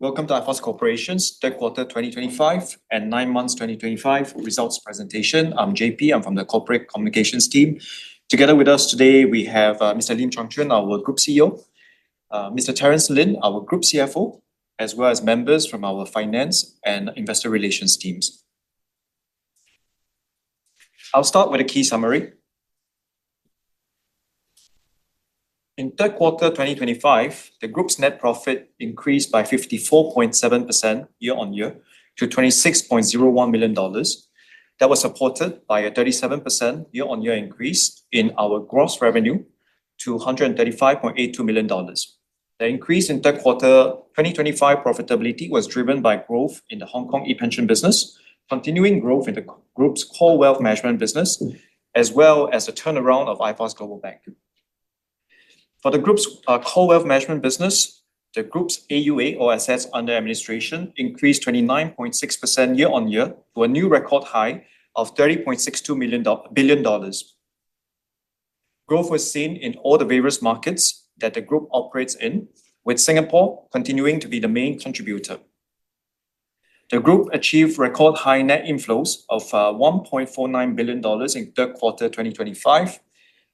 Welcome to iFAST Corporation Tech Quarter 2025 and 9 Months 2025 Results Presentation. I'm JP. I'm from the Corporate Communications team. Together with us today, we have Mr. Lim Chung Chun, our Group CEO, Mr. Terence Lin, our Group CFO, as well as members from our Finance and Investor Relations teams. I'll start with a key summary. In Tech Quarter 2025, the Group's net profit increased by 54.7% year-on-year to $26.01 million. That was supported by a 37% year-on-year increase in our gross revenue to $135.82 million. The increase in Tech Quarter 2025 profitability was driven by growth in the Hong Kong ePension (eMPF) business, continuing growth in the Group's Core Wealth Management platform, as well as the turnaround of iFAST Global Bank. For the Group's Core Wealth Management platform, the Group's AUA, or Assets Under Administration, increased 29.6% year-on-year to a new record high of $30.62 billion. Growth was seen in all the various markets that the Group operates in, with Singapore continuing to be the main contributor. The Group achieved record high net inflows of $1.49 billion in Tech Quarter 2025.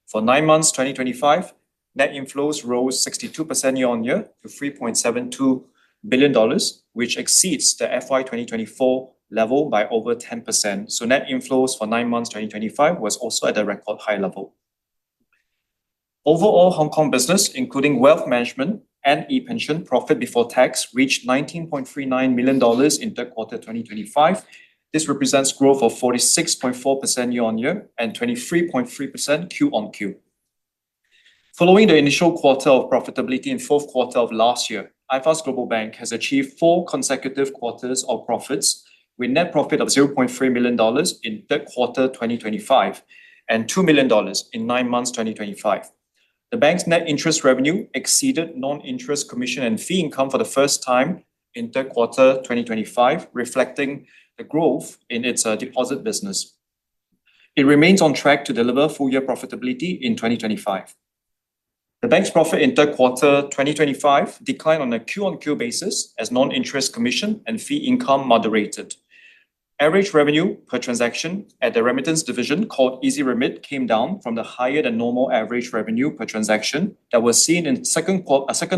For nine Months 2025, net inflows rose 62% year-on-year to $3.72 billion, which exceeds the FY 2024 level by over 10%. Net inflows for nine Months 2025 were also at a record high level. Overall Hong Kong business, including wealth management and ePension (eMPF) profit before tax, reached $19.39 million in Tech Quarter 2025. This represents growth of 46.4% year-on-year and 23.3% quarter-on-quarter. Following the initial quarter of profitability in the fourth quarter of last year, iFAST Global Bank has achieved four consecutive quarters of profits, with net profit of $0.3 million in Tech Quarter 2025 and $2 million in nine Months 2025. The Bank's net interest revenue exceeded non-interest commission and fee income for the first time in Tech Quarter 2025, reflecting the growth in its deposit business. It remains on track to deliver full-year profitability in 2025. The Bank's profit in Tech Quarter 2025 declined on a quarter-on-quarter basis as non-interest commission and fee income moderated. Average revenue per transaction at the Remittance Division, called Easy Remit, came down from the higher-than-normal average revenue per transaction that was seen in the second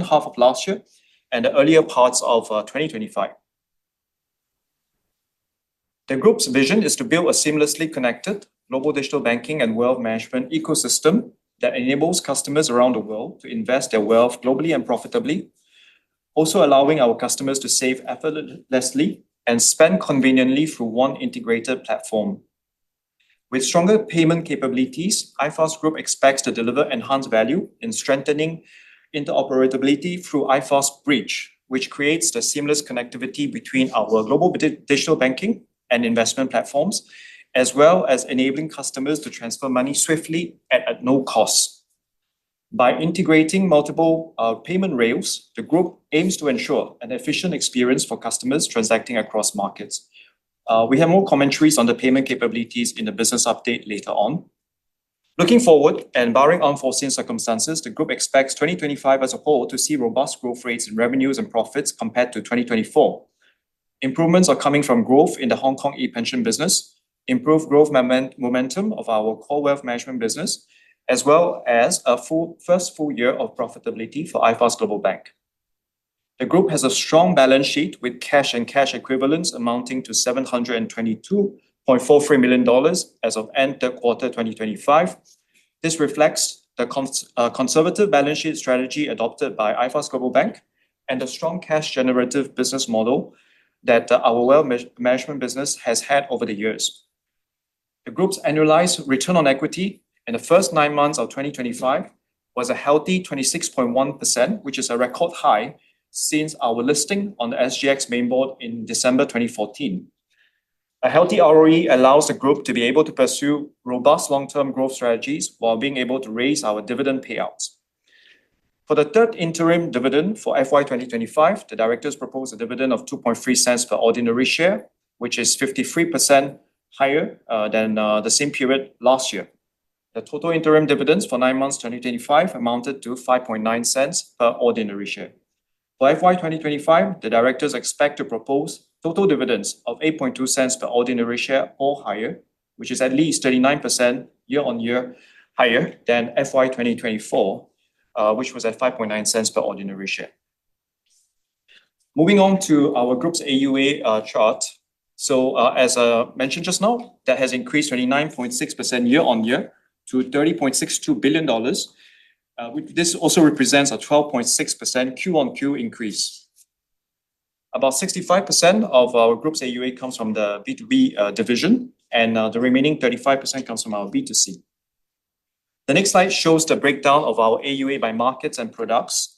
half of last year and the earlier parts of 2025. The Group's vision is to build a seamlessly connected global digital banking and wealth management ecosystem that enables customers around the world to invest their wealth globally and profitably, also allowing our customers to save effortlessly and spend conveniently through one integrated platform. With stronger payment capabilities, iFAST Group expects to deliver enhanced value in strengthening interoperability through iFAST Bridge, which creates the seamless connectivity between our global digital banking and investment platforms, as well as enabling customers to transfer money swiftly and at no cost. By integrating multiple payment rails, the Group aims to ensure an efficient experience for customers transacting across markets. We have more commentaries on the payment capabilities in the business update later on. Looking forward and barring unforeseen circumstances, the Group expects 2025 as a whole to see robust growth rates in revenues and profits compared to 2024. Improvements are coming from growth in the Hong Kong ePension (eMPF) business, improved growth momentum of our Core Wealth Management platform, as well as a first full year of profitability for iFAST Global Bank. The Group has a strong balance sheet with cash and cash equivalents amounting to $722.43 million as of end Q3 2025. This reflects the conservative balance sheet strategy adopted by iFAST Global Bank and the strong cash-generative business model that our wealth management business has had over the years. The Group's annualized return on equity in the first nine months of 2025 was a healthy 26.1%, which is a record high since our listing on the SGX mainboard in December 2014. A healthy ROE allows the Group to be able to pursue robust long-term growth strategies while being able to raise our dividend payouts. For the third interim dividend for FY 2025, the Directors proposed a dividend of $0.23 per ordinary share, which is 53% higher than the same period last year. The total interim dividends for nine Months 2025 amounted to $0.59 per ordinary share. For FY 2025, the Directors expect to propose total dividends of $0.82 per ordinary share or higher, which is at least 39% year-on-year higher than FY 2024, which was at $0.59 per ordinary share. Moving on to our Group's AUA chart, as I mentioned just now, that has increased 29.6% year-on-year to $30.62 billion. This also represents a 12.6% quarter-on-quarter increase. About 65% of our Group's AUA comes from the B2B division, and the remaining 35% comes from our B2C. The next slide shows the breakdown of our AUA by markets and products.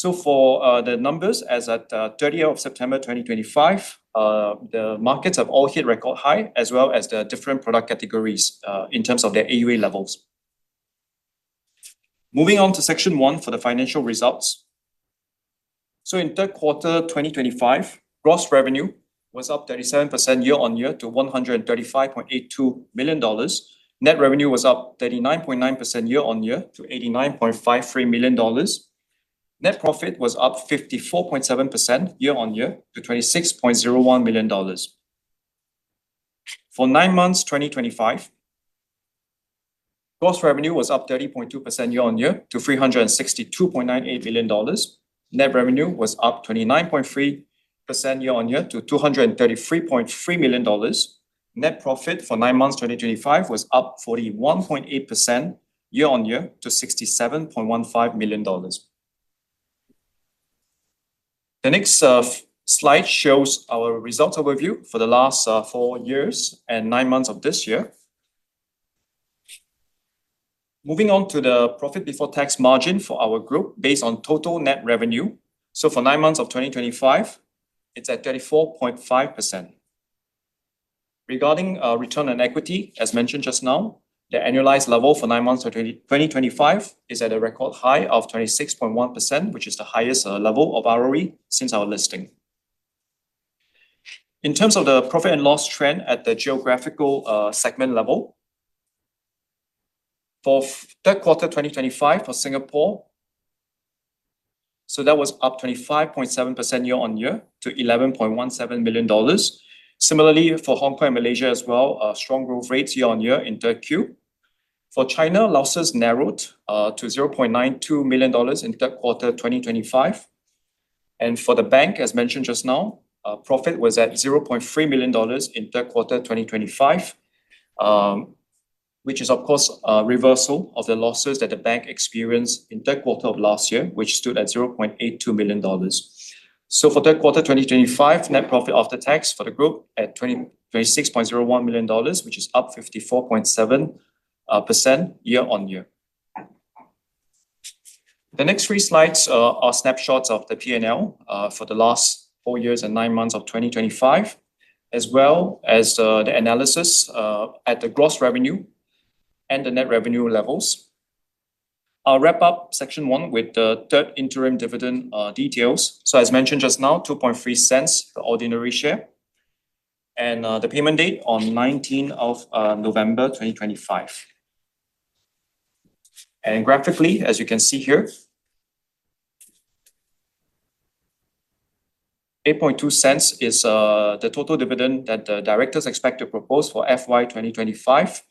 For the numbers, as of 30th of September 2025, the markets have all hit record high, as well as the different product categories in terms of their AUA levels. Moving on to Section one for the financial results. In Tech Quarter 2025, gross revenue was up 37% year-on-year to $135.82 million. Net revenue was up 39.9% year-on-year to $89.53 million. Net profit was up 54.7% year-on-year to $26.01 million. For nine Months 2025, gross revenue was up 30.2% year-on-year to $362.98 million. Net revenue was up 29.3% year-on-year to $233.3 million. Net profit for nine Months 2025 was up 41.8% year-on-year to $67.15 million. The next slide shows our results overview for the last four years and nine months of this year. Moving on to the profit before tax margin for our Group based on total net revenue, for nine Months of 2025, it's at 34.5%. Regarding return on equity, as mentioned just now, the annualized level for nine Months 2025 is at a record high of 26.1%, which is the highest level of ROE since our listing. In terms of the profit and loss trend at the geographical segment level, for Tech Quarter 2025 for Singapore, that was up 25.7% year-on-year to $11.17 million. Similarly, for Hong Kong and Malaysia as well, strong growth rates year-on-year in Tech Q. For China, losses narrowed to $0.92 million in Tech Quarter 2025. For the Bank, as mentioned just now, profit was at $0.3 million in Tech Quarter 2025, which is a reversal of the losses that the Bank experienced in Tech Quarter of last year, which stood at $0.82 million. For Tech Quarter 2025, net profit after tax for the Group at $26.01 million, which is up 54.7% year-on-year. The next three slides are snapshots of the P&L for the last four years and nine months of 2025, as well as the analysis at the gross revenue and the net revenue levels. I'll wrap up Section 1 with the third interim dividend details. As mentioned just now, $0.23 per ordinary share, and the payment date on 19th of November 2025. Graphically, as you can see here, $0.82 is the total dividend that the Directors expect to propose for FY 2025,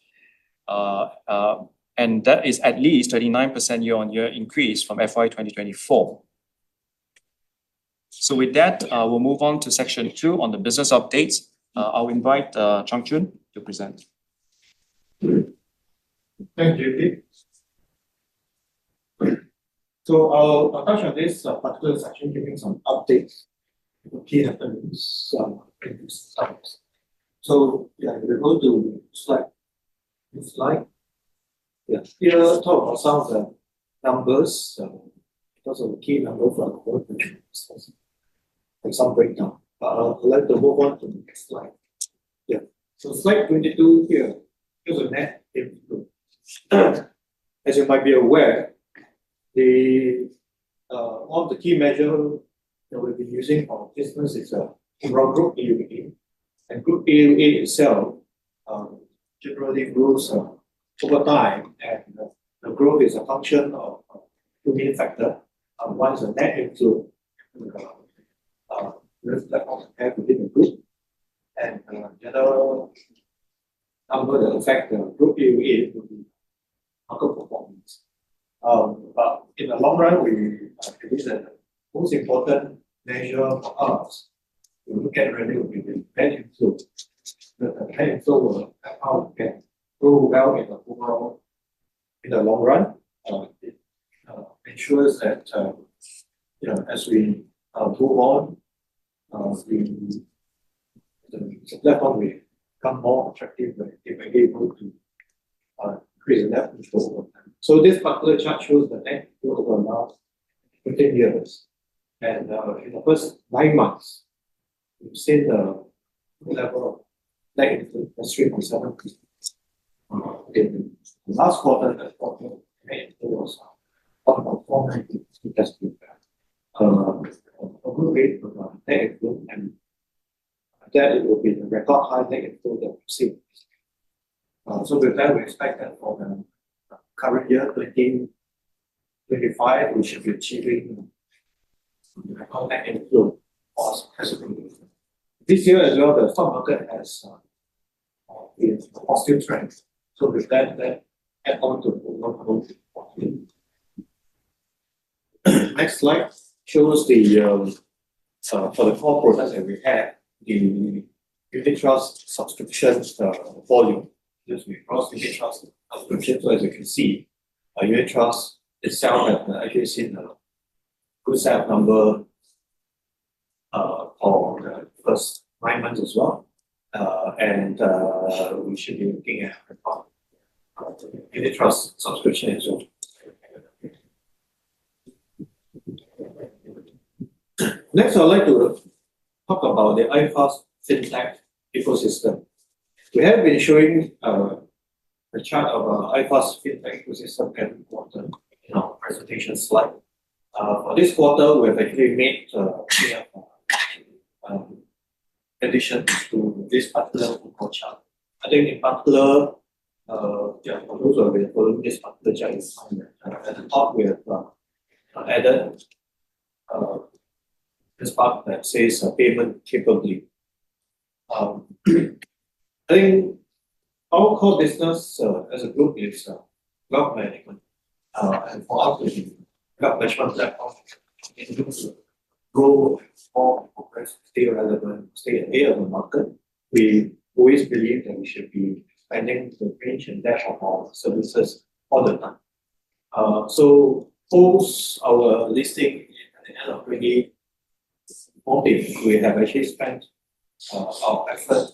and that is at least 39% year-on-year increase from FY 2024. With that, we'll move on to Section 2 on the business updates. I'll invite Chung Chun to present. Thank you, JP. Our question is, particularly in Section two, some updates. Key evidence. We're going to the next slide. Here, talk about some of the numbers. Because of the key numbers for our Group, and some breakdown. I'll let them move on to the next slide. Slide 22, here's the net improvement. As you might be aware, all the key measures that we've been using for our business is the overall Group AUA. Group AUA itself generally moves over time, and the growth is a function of two main factors. One is the net improvement within the Group, and the general number that affects the Group AUA would be market performance. In the long run, we believe that the most important measure for us, we look at revenue with the net improvement. The net improvement will help us get through well in the overall, in the long run. It ensures that as we move on, the platform will become more attractive when we're able to increase the net improvement. This particular chart shows the net improvement over the last 15 years. In the first nine months, we've seen the level of net improvement of 3.7%. In the last quarter, the net improvement was up about 4.9%. A good rate of net improvement, and it will be the record high net improvement that we've seen. With that, we expect that for the current year, 2025, we should be achieving the record net improvement as of this year. This year as well, the stock market has a positive trend. With that, that adds on to overall growth. The next slide shows for the core products that we had, the unit trust subscriptions volume. This is unit trust subscriptions. As you can see, unit trust itself has actually seen a good sale number for the first nine months as well. We should be looking at unit trust subscription as well. Next, I'd like to talk about the iFAST FinTech ecosystem. We have been showing a chart of our iFAST FinTech ecosystem every quarter in our presentation slide. For this quarter, we have actually made additions to this particular chart. I think in particular, for those who are available, this particular chart is fine. At the top, we have added this part that says payment capability. I think our core business as a Group is wealth management. For us, we need wealth management platform to grow and perform and stay relevant, stay ahead of the market. We always believe that we should be expanding the range and depth of our services all the time. Post our listing at the end of 2020, we have actually spent our effort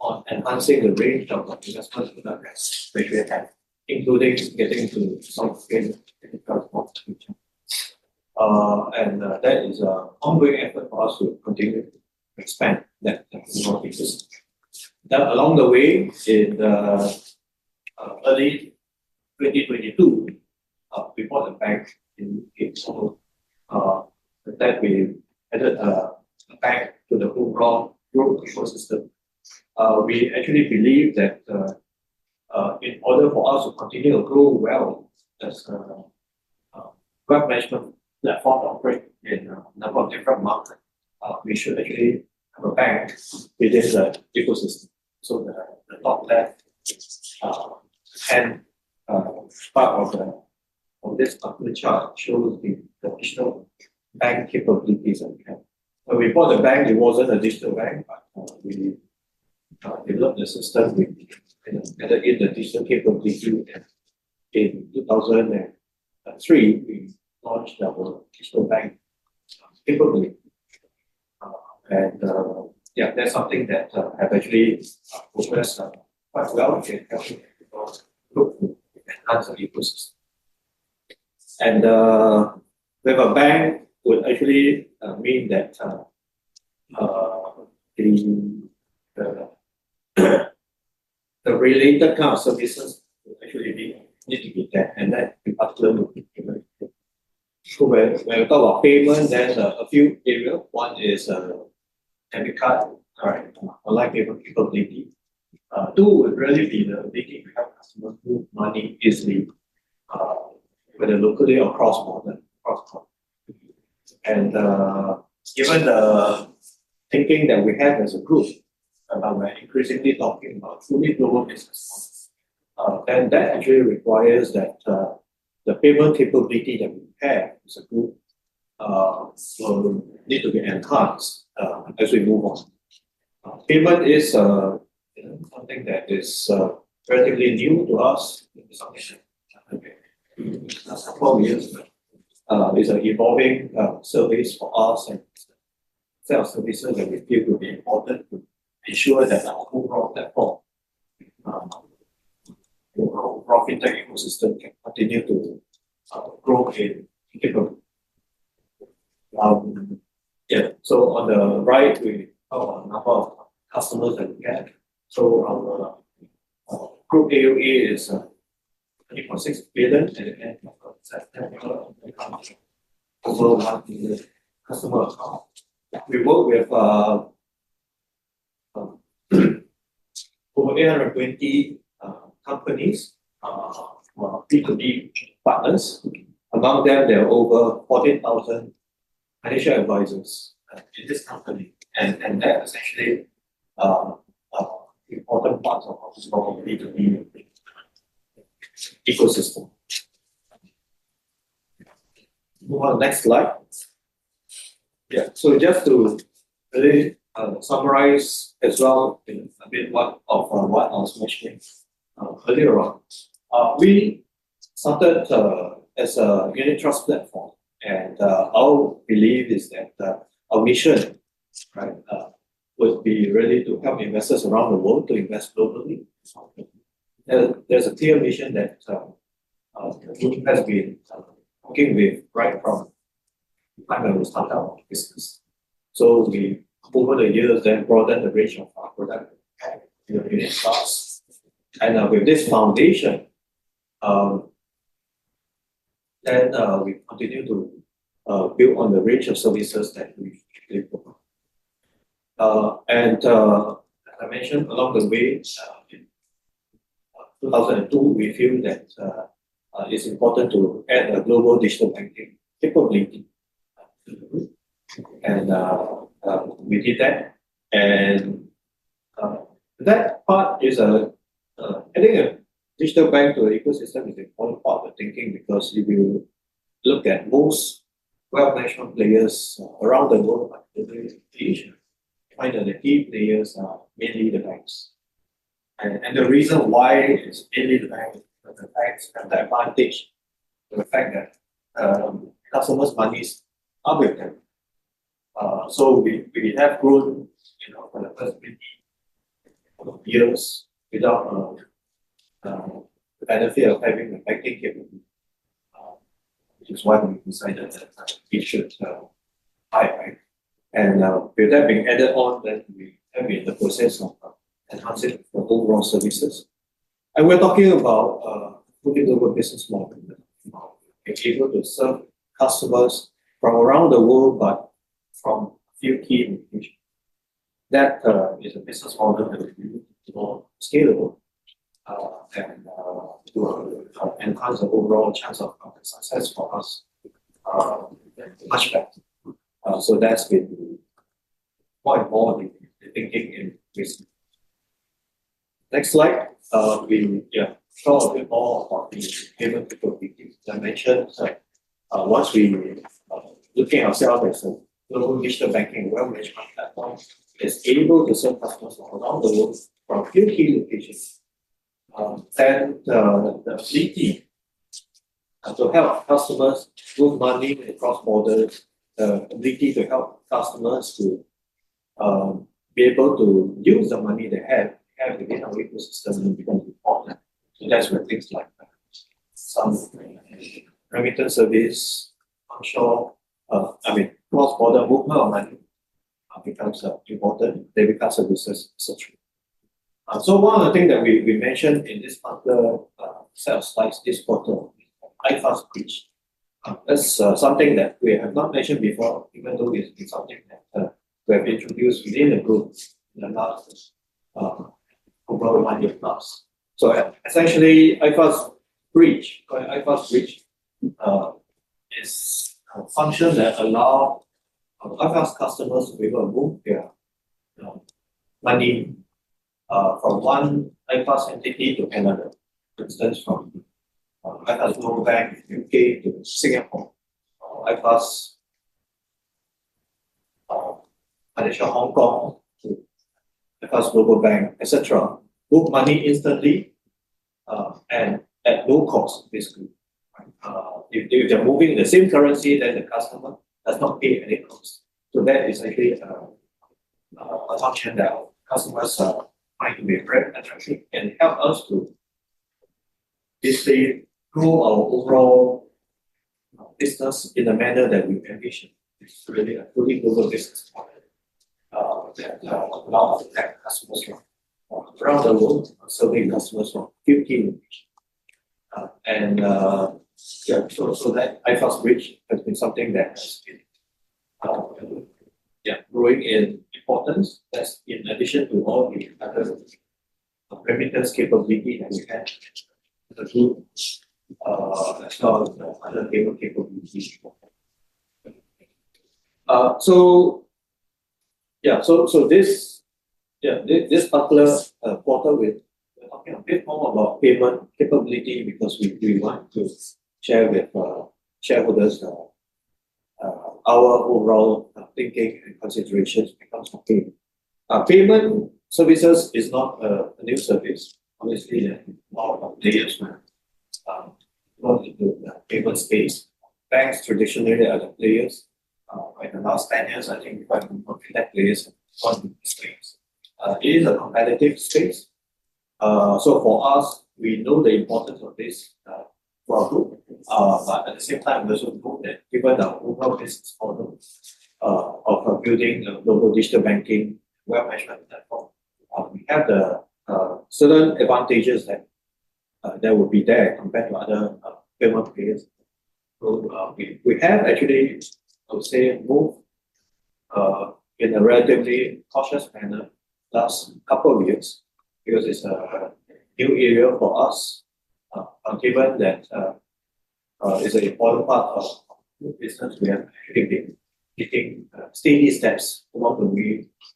on enhancing the range of our investment product range which we have, including getting to some of the biggest credit cards for the future. That is an ongoing effort for us to continue to expand that. Along the way, in early 2022, before the Bank came along, we added a bank to the overall Group ecosystem. We actually believe that in order for us to continue to grow well as a wealth management platform operating in a number of different markets, we should actually have a bank within the ecosystem. The top left-hand part of this particular chart shows the additional bank capabilities that we have. Before the Bank, it wasn't a digital bank, but we developed the system with added in the digital capability. In 2023, we launched our digital bank capability. That's something that has actually progressed quite well in helping people look to enhance the ecosystem. With a bank, it would actually mean that the related kind of services would actually need to be there. That in particular would be payment. When we talk about payment, there's a few areas. One is debit card unlike payment capability. Two would really be the needing to help customers move money easily, whether locally or cross-border. Given the thinking that we have as a Group, about increasingly talking about fully global business models, that actually requires that the payment capability that we have as a Group will need to be enhanced as we move on. Payment is something that is relatively new to us in this organization. Last four years, it's an evolving service for us and sales services that we feel will be important to ensure that our overall platform, overall FinTech ecosystem, can continue to grow in capability. On the right, we talk about the number of customers that we have. Our Group AUA is $3.6 billion at the end of September. Over 1 million customer accounts. We work with over 820 companies, B2B partners. Among them, there are over 14,000 financial advisors in this company. That is actually important parts of our B2B ecosystem. Move on to the next slide. Just to really summarize as well a bit of what I was mentioning earlier on, we started as a unit trust platform, and our belief is that our mission. Would be really to help investors around the world to invest globally. There's a clear mission that the Group has been working with right from the time when we started our business. We over the years then broadened the range of our product in the unit trust, and with this foundation, we continue to build on the range of services that we actually provide. As I mentioned, along the way, in 2002, we feel that it's important to add a global digital banking capability to the Group. We did that. That part is a, I think a digital bank to the ecosystem is an important part of the thinking because if you look at most wealth management players around the globe, particularly in Asia, you find that the key players are mainly the banks. The reason why it's mainly the banks is because the banks have the advantage of the fact that customers' money is with them. We have grown for the first 20 years without the benefit of having the banking capability, which is why we decided that we should buy it. With that being added on, we have been in the process of enhancing the overall services. We're talking about a fully global business model. We're talking about being able to serve customers from around the world, but from a few key locations. That is a business model that will be more scalable and enhance the overall chance of success for us much better. That's been more important in the thinking and reasoning. Next slide. We'll talk a bit more about the payment capability that I mentioned. Once we look at ourselves as a global digital banking and wealth management platform that's able to serve customers from around the world, from a few key locations, the ability to help customers move money across borders, the ability to help customers to be able to use the money they have within our ecosystem becomes important. That's where things like some remittance service, I mean, cross-border movement of money becomes important. Debit card services are so true. One of the things that we mentioned in this particular sales slide is this quarter, iFAST Bridge. That's something that we have not mentioned before, even though it's something that we have introduced within the Group in the last over one year plus. Essentially, iFAST Bridge is a function that allows iFAST customers to be able to move their money from one iFAST entity to another. For instance, from iFAST Global Bank in the UK to Singapore, iFAST. Financial Hong Kong to iFAST Global Bank, etc., move money instantly and at no cost, basically. If they're moving the same currency as the customer, that's not paid any cost. That is actually a function that our customers are finding to be very attractive and helps us to basically grow our overall business in a manner that we envision. It's really a fully global business model. A lot of the bank customers from around the world are serving customers from 15 locations. That iFAST Bridge has been something that has been growing in importance. That's in addition to all the other remittance capability that we have as a Group, as well as other payment capabilities. This particular quarter, we're talking a bit more about payment capability because we want to share with shareholders our overall thinking and considerations. Payment services is not a new service. Obviously, there are a lot of players in the payment space. Banks traditionally are the players. In the last 10 years, I think quite a few of the players have gone into this space. It is a competitive space. For us, we know the importance of this for our Group. At the same time, we also know that given our overall business model of building a global digital banking and wealth management platform, we have certain advantages that will be there compared to other payment players. We have actually, I would say, moved in a relatively cautious manner the last couple of years because it's a new area for us. Given that it's an important part of our business, we have actually been taking steady steps towards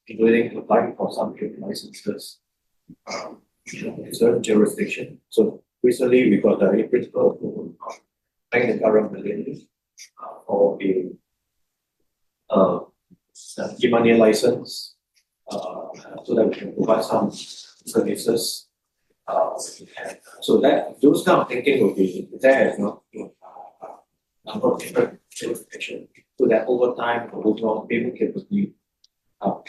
including applying for some licenses in certain jurisdictions. Recently, we got a principal from the Bank of the Caribbean for the Demoney license so that we can provide some services. Those kinds of thinking will be there as well in a number of different jurisdictions so that over time, the overall payment capability will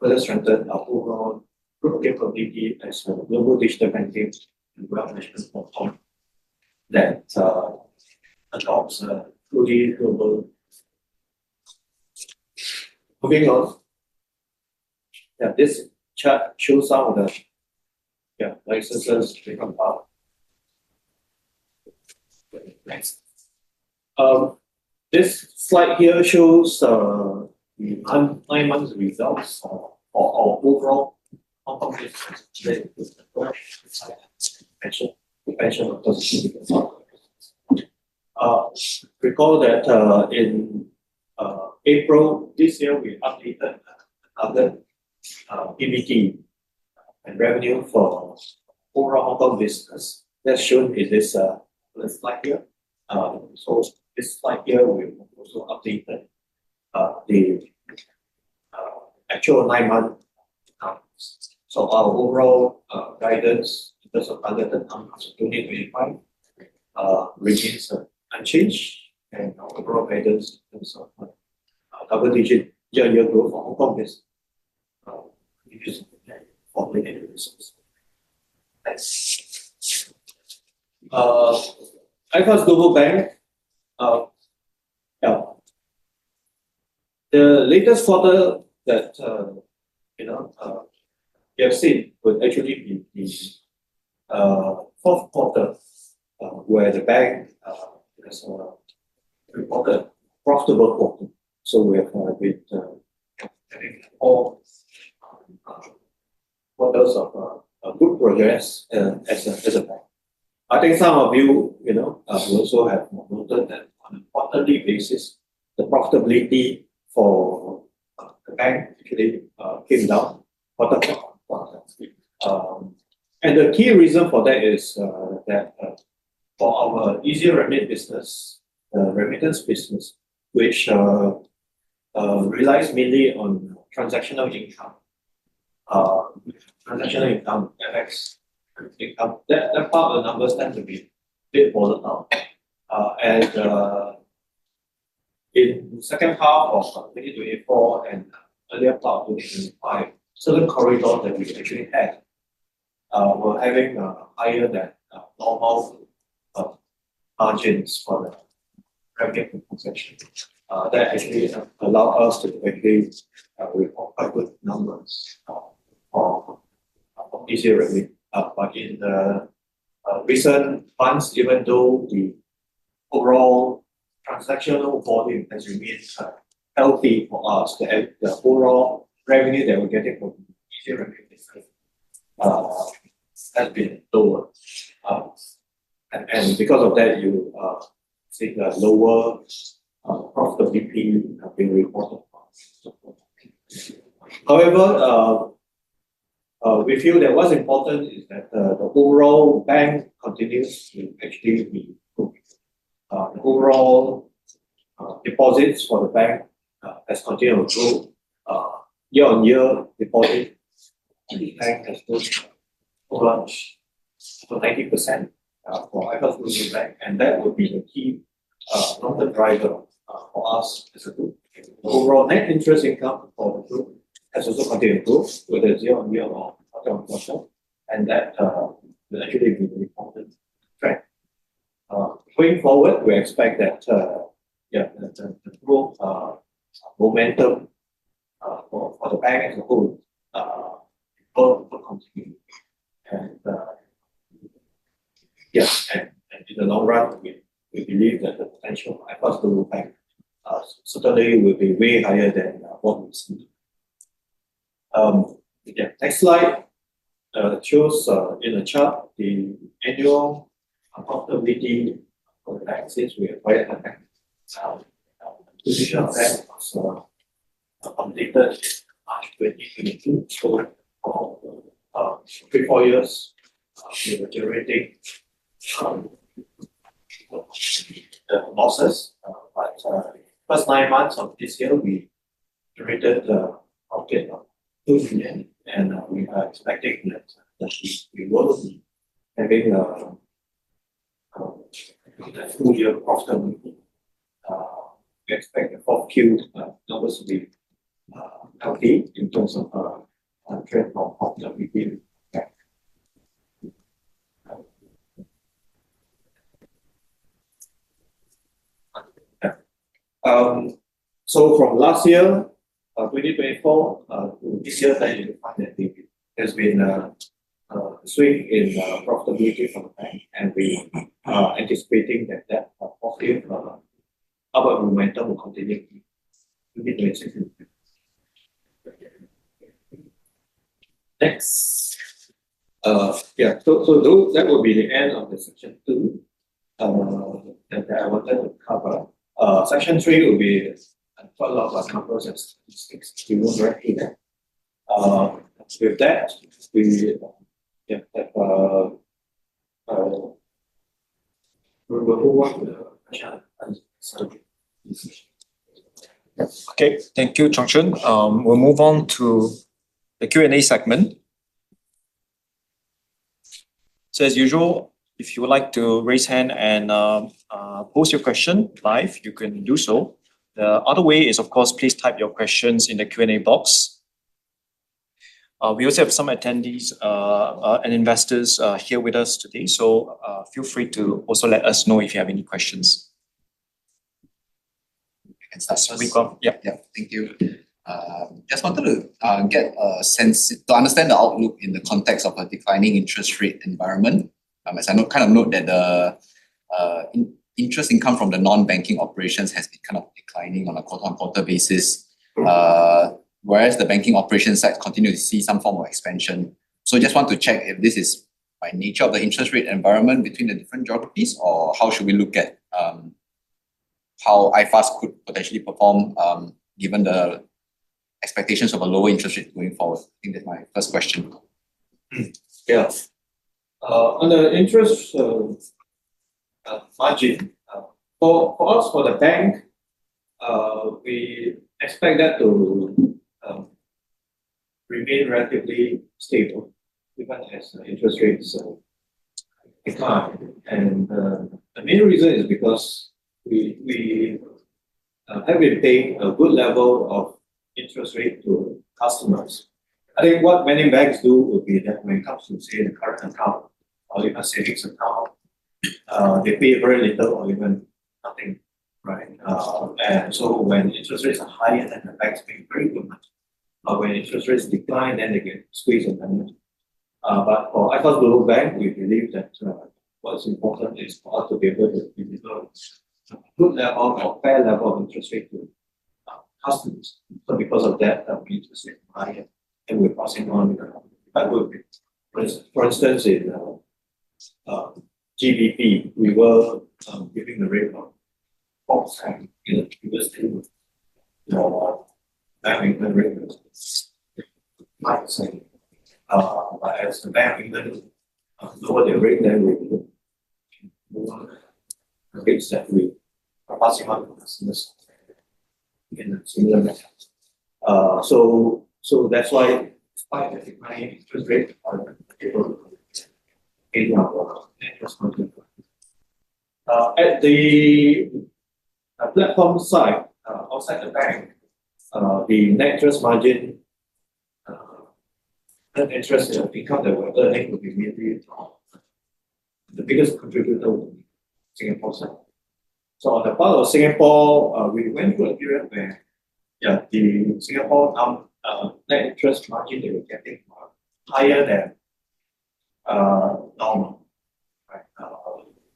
further strengthen our overall Group capability as a global digital banking and wealth management platform that adopts a fully global approach. Moving on, this chart shows some of the licenses we have. This slide here shows the nine months results for our overall Hong Kong business. Actually, the financial accounts business. Recall that in April this year, we updated another PBT. Revenue for overall Hong Kong business is shown in this slide here. This slide here, we also updated the actual nine-month accounts. Our overall guidance in terms of funded accounts for 2025 remains unchanged. Our overall guidance in terms of double-digit year-on-year growth for Hong Kong business continues to be there for financial resources. Thanks. iFAST Global Bank, the latest quarter that we have seen would actually be the fourth quarter, where the bank has reported a profitable quarter. We have had a bit of quarters of good progress as a bank. I think some of you also have noted that on a quarterly basis, the profitability for the bank actually came down quarter by quarter. The key reason for that is that for our easy remit business, remittance business, which relies mainly on transactional income, transactional income, FX income, that part of the numbers tend to be a bit volatile. In the second half of 2024 and earlier part of 2025, certain corridors that we actually had were having higher than normal margins for the remit transaction. That actually allowed us to actually with quite good numbers for easy remit. In the recent months, even though the overall transactional volume has remained healthy for us, the overall revenue that we're getting from easy remit business has been lower. Because of that, you see the lower profitability being reported for us. However, we feel that what's important is that the overall bank continues to actually be good. The overall deposits for the bank has continued to grow. Year-on-year deposit in the bank has grown so much, up to 90% for iFAST Global Bank. That would be the key long-term driver for us as a Group. The overall net interest income for the Group has also continued to grow, whether it's year-on-year or quarter on quarter. That will actually be an important trend. Going forward, we expect that the growth momentum for the bank as a whole will continue. In the long run, we believe that the potential for iFAST Global Bank certainly will be way higher than what we see. Next slide shows in the chart the annual profitability for the bank since we acquired the bank. Position of that was updated in March 2022. For three or four years, we were generating losses. The first nine months of this year, we generated a profit of $2 million. We are expecting that we will be having. A full-year profitability. We expect the fourth-quarter numbers to be healthy in terms of the trend of profitability in the bank. From last year, 2024, to this year, as you can find that there has been a swing in profitability for the bank. We are anticipating that positive upward momentum will continue. 2026. Thanks. That would be the end of Section 2 that I wanted to cover. Section 3 will be a lot of numbers and statistics. We won't go into that. With that, we will move on to the chat. Okay, thank you, Chung Chun. We'll move on to the Q&A segment. As usual, if you would like to raise your hand and post your question live, you can do so. The other way is, of course, please type your questions in the Q&A box. We also have some attendees and investors here with us today, so feel free to also let us know if you have any questions. We've got, yeah, yeah, thank you. Just wanted to get a sense to understand the outlook in the context of a declining interest rate environment. As I kind of note that the interest income from the non-banking operations has been kind of declining on a quarter-on-quarter basis, whereas the banking operation side continues to see some form of expansion. I just want to check if this is by nature of the interest rate environment between the different geographies, or how should we look at how iFAST could potentially perform given the expectations of a lower interest rate going forward? I think that's my first question. Yeah. On the interest margin for us, for the bank, we expect that to remain relatively stable even as interest rates decline. The main reason is because we have been paying a good level of interest rate to customers. I think what many banks do would be that when it comes to, say, the current account or iFAST savings account, they pay very little or even nothing, right? When interest rates are high, then the bank is paying very good money. When interest rates decline, then they get squeezed of money. For iFAST Global Bank, we believe that what's important is for us to be able to deliver a good level or fair level of interest rate to customers. Because of that, we need to stay higher and we're passing on. For instance, in GBP, we were giving the rate of 4% in the previous 10 years. Bank of England rate was 5%. As the Bank of England lowered their rate, then we could move the rates that we are passing on to customers in a similar manner. That's why despite the declining interest rate, we're able to gain our net interest margin. At the platform side, outside the bank, the net interest margin, net interest income that we're earning would be mainly, the biggest contributor would be Singapore side. On the part of Singapore, we went through a period where, yeah, the Singapore net interest margin that we're getting were higher than normal, right?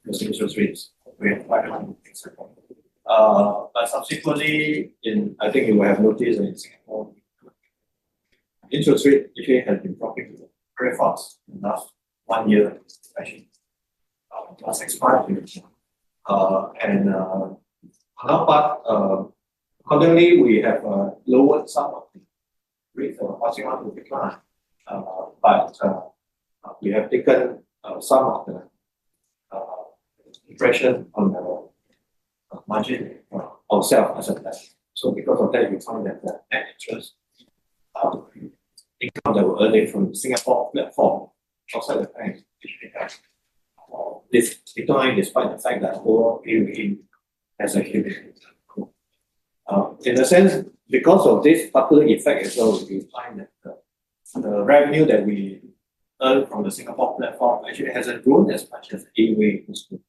Because interest rates were quite high in Singapore. Subsequently, I think you will have noticed that in Singapore, interest rate actually has been dropping very fast in the last one year actually, last expiry period. On our part, accordingly, we have lowered some of the rates that we're passing on to clients. We have taken some of the impression on the margin ourselves as a bank. Because of that, you find that the net interest income that we're earning from the Singapore platform outside the bank actually has declined despite the fact that overall AUA has actually, in a sense, because of this particular effect as well, we find that the revenue that we earn from the Singapore platform actually hasn't grown as much as AUA used to.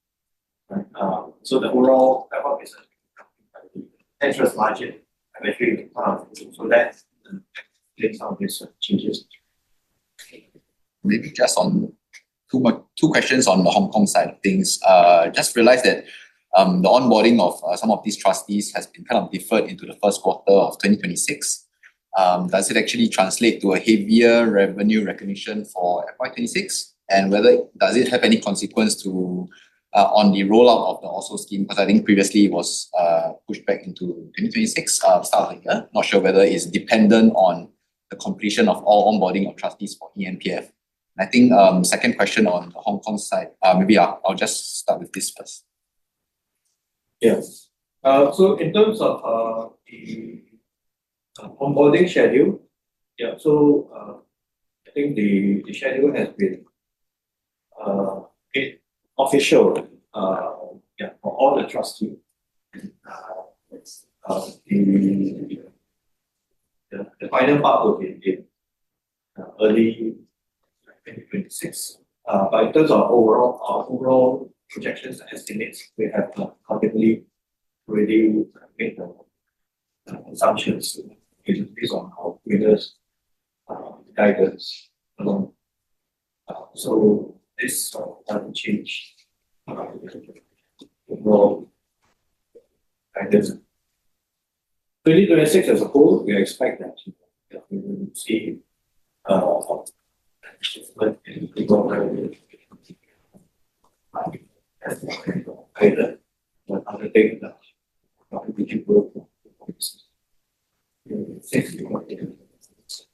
The overall level is actually dropping by the interest margin actually. That makes some of these changes. Maybe just on two questions on the Hong Kong side of things. Just realized that the onboarding of some of these trustees has been kind of deferred into the first quarter of 2026. Does it actually translate to a heavier revenue recognition for FY2026? And whether does it have any consequence on the rollout of the Oslo scheme? Because I think previously it was pushed back into 2026, start of the year. Not sure whether it's dependent on the completion of all onboarding of trustees for eMPF. Second question on the Hong Kong side, maybe I'll just start with this first. Yes. In terms of the onboarding schedule, yeah, so I think the schedule has been official for all the trustees. The final part will be in early 2026. In terms of overall projections and estimates, we have currently already made the assumptions based on our previous guidance. This doesn't change overall guidance. 2026 as a whole, we expect that we will see improvement in the overall guidance.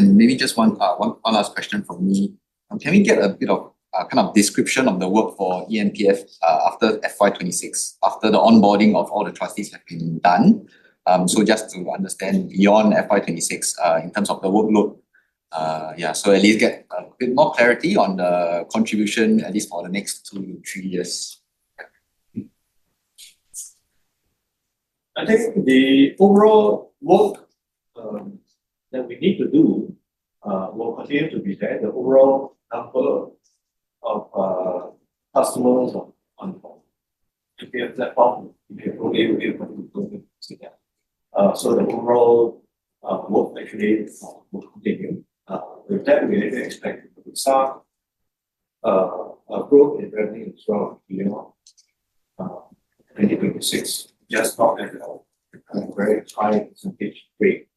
Maybe just one last question from me. Can we get a bit of kind of description of the work for eMPF after FY2026, after the onboarding of all the trustees have been done? Just to understand beyond FY2026 in terms of the workload. At least get a bit more clarity on the contribution, at least for the next two to three years. I think the overall work that we need to do will continue to be there. The overall number of customers on the platform, ePension platform, ePension AUA, we'll be able to see that. The overall work actually will continue. With that, we expect a good start, growth in revenue as well in 2026, just not at a very high % rate.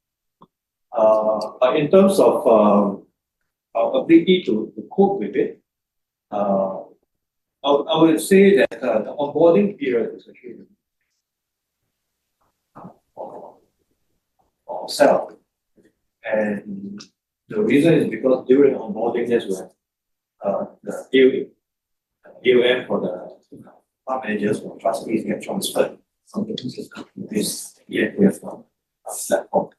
In terms of our ability to cope with it, I would say that the onboarding period is actually ourselves, and the reason is because during onboarding, that's when the AUA for the fund managers, for trustees, get transferred from the eMPF platform.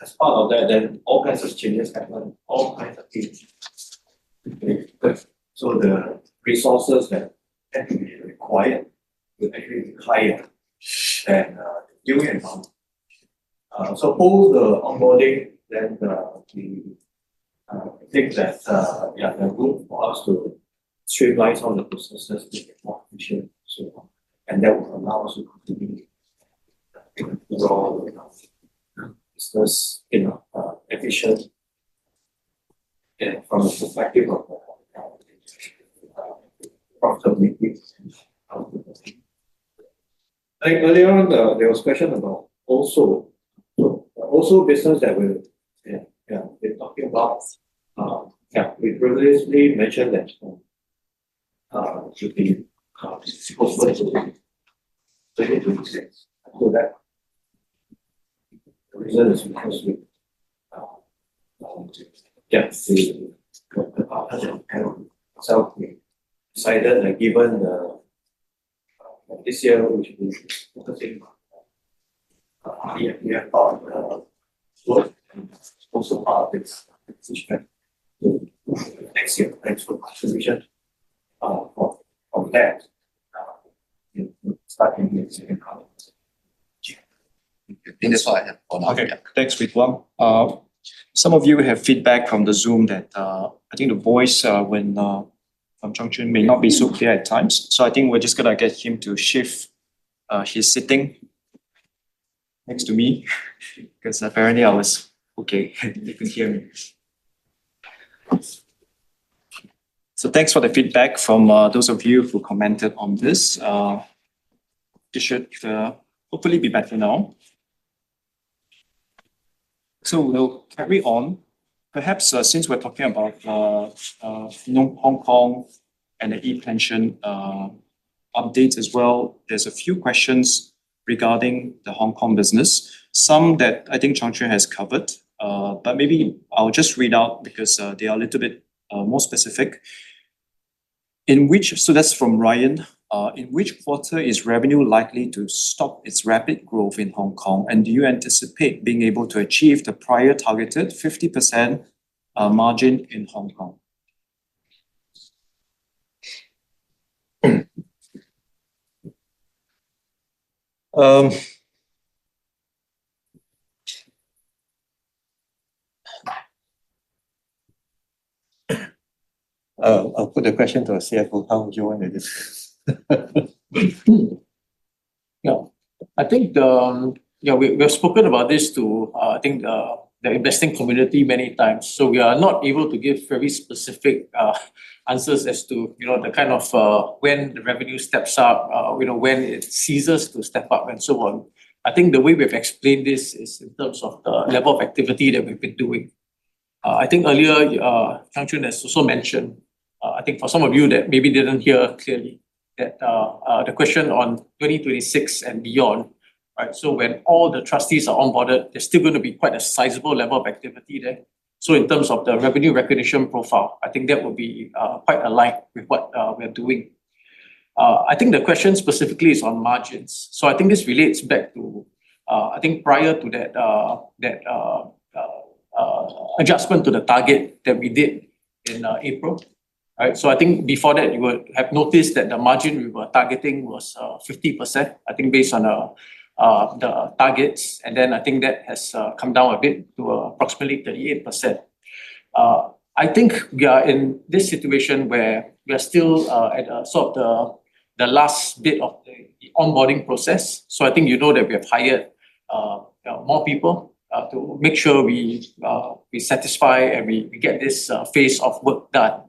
As part of that, then all kinds of changes happen, all kinds of changes. The resources that actually required were actually higher than the AUA amount. Both the onboarding, then the things that, yeah, they're good for us to streamline some of the processes to be more efficient and so on, and that will allow us to continue overall business in an efficient and, from the perspective of profitability. I think earlier on, there was a question about Oslo, Oslo business that we're talking about. We previously mentioned that should be open to 2026. The reason is because we, our current account ourselves decided that given this year, which we're focusing on eMPF part work and also part of this next year. Thanks for the contribution from that, starting in second quarter. I think that's all I have for now. Okay, thanks, Frit Wang. Some of you have feedback from the Zoom that the voice from Chung Chun may not be so clear at times. We're just going to get him to shift his sitting next to me because apparently I was okay, you can hear me. Thanks for the feedback from those of you who commented on this. It should hopefully be better now. We'll carry on. Perhaps since we're talking about Hong Kong and the ePension updates as well, there's a few questions regarding the Hong Kong business. Some that I think Chung Chun has covered, but maybe I'll just read out because they are a little bit more specific. That's from Ryan. In which quarter is revenue likely to stop its rapid growth in Hong Kong? Do you anticipate being able to achieve the prior targeted 50% margin in Hong Kong? I'll put the question to CFO Terence Lin in the discussion. Yeah, I think. We've spoken about this to, I think, the investing community many times. We are not able to give very specific answers as to the kind of when the revenue steps up, when it ceases to step up, and so on. I think the way we've explained this is in terms of the level of activity that we've been doing. I think earlier, Chung Chun has also mentioned, I think for some of you that maybe didn't hear clearly, that the question on 2026 and beyond, right? When all the trustees are onboarded, there's still going to be quite a sizable level of activity there. In terms of the revenue recognition profile, I think that would be quite aligned with what we're doing. I think the question specifically is on margins. I think this relates back to, I think, prior to that adjustment to the target that we did in April, right? Before that, you would have noticed that the margin we were targeting was 50%, I think, based on the targets. Then I think that has come down a bit to approximately 38%. I think we are in this situation where we are still at sort of the last bit of the onboarding process. You know that we have hired more people to make sure we satisfy and we get this phase of work done.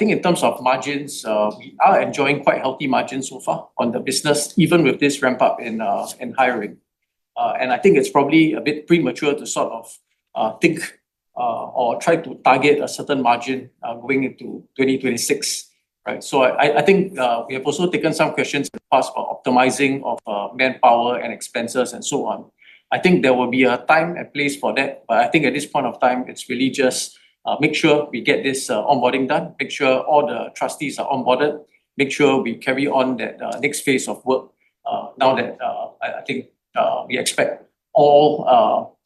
In terms of margins, we are enjoying quite healthy margins so far on the business, even with this ramp-up in hiring. I think it's probably a bit premature to sort of think or try to target a certain margin going into 2026, right? We have also taken some questions in the past for optimizing of manpower and expenses and so on. There will be a time and place for that. At this point of time, it's really just make sure we get this onboarding done, make sure all the trustees are onboarded, make sure we carry on that next phase of work now that I think we expect all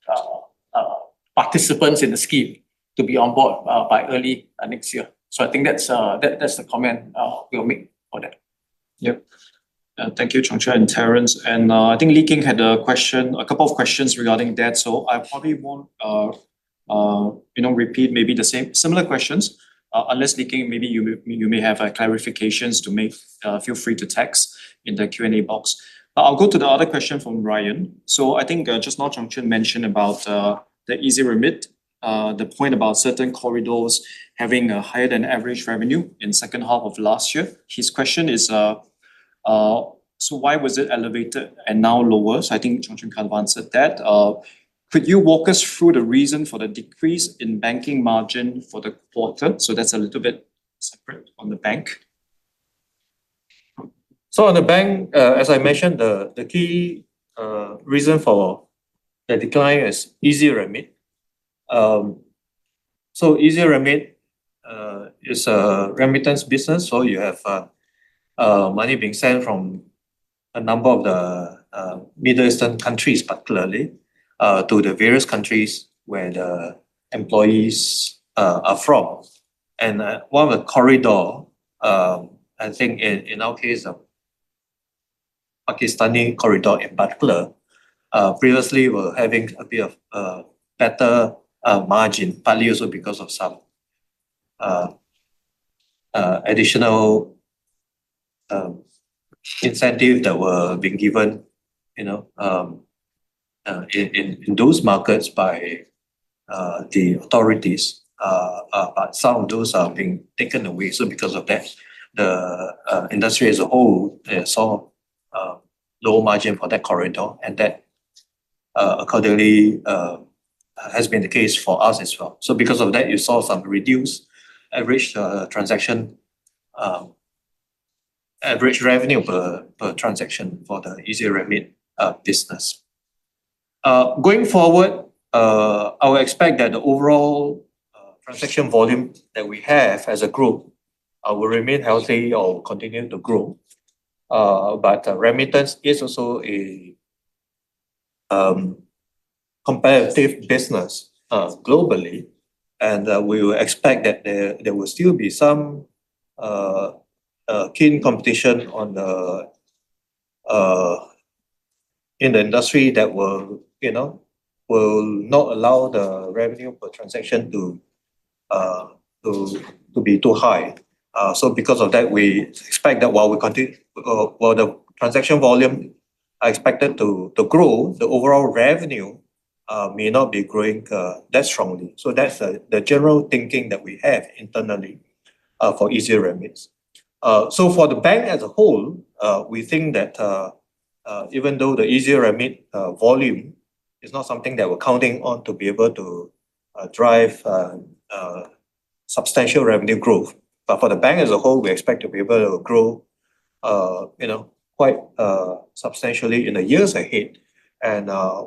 participants in the scheme to be onboard by early next year. I think that's the comment we'll make for that. Yep. Thank you, Chung Chun and Terence. I think Li Qing had a question, a couple of questions regarding that. I probably won't repeat maybe the same similar questions. Unless Li Qing, maybe you may have clarifications to make, feel free to text in the Q&A box. I'll go to the other question from Ryan. I think just now Chung Chun mentioned about the easy remit, the point about certain corridors having a higher than average revenue in the second half of last year. His question is, why was it elevated and now lower? I think Chung Chun kind of answered that. Could you walk us through the reason for the decrease in banking margin for the quarter? That's a little bit separate on the bank. On the bank, as I mentioned, the key reason for the decline is easy remit. Easy remit is a remittance business. You have money being sent from a number of the Middle Eastern countries, particularly to the various countries where the employees are from. One of the corridors, I think in our case, the Pakistani corridor in particular, previously was having a bit of better margin, partly also because of some additional incentives that were being given in those markets by the authorities. Some of those are being taken away. Because of that, the industry as a whole saw lower margin for that corridor, and that accordingly has been the case for us as well. Because of that, you saw some reduced average transaction, average revenue per transaction for the easy remit business. Going forward, I would expect that the overall transaction volume that we have as a group will remain healthy or continue to grow. Remittance is also a competitive business globally, and we would expect that there will still be some keen competition in the industry that will not allow the revenue per transaction to be too high. Because of that, we expect that while the transaction volume is expected to grow, the overall revenue may not be growing that strongly. That's the general thinking that we have internally for easy remit. For the bank as a whole, we think that even though the easy remit volume is not something that we're counting on to be able to drive substantial revenue growth, for the bank as a whole, we expect to be able to grow quite substantially in the years ahead.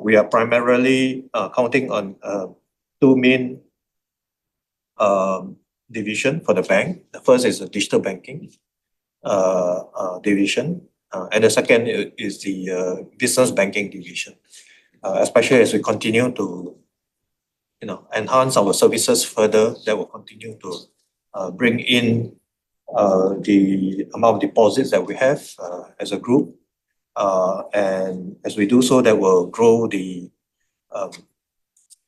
We are primarily counting on two main divisions for the bank. The first is the digital banking division, and the second is the business banking division. Especially as we continue to enhance our services further, that will continue to bring in the amount of deposits that we have as a group, and as we do so, that will grow the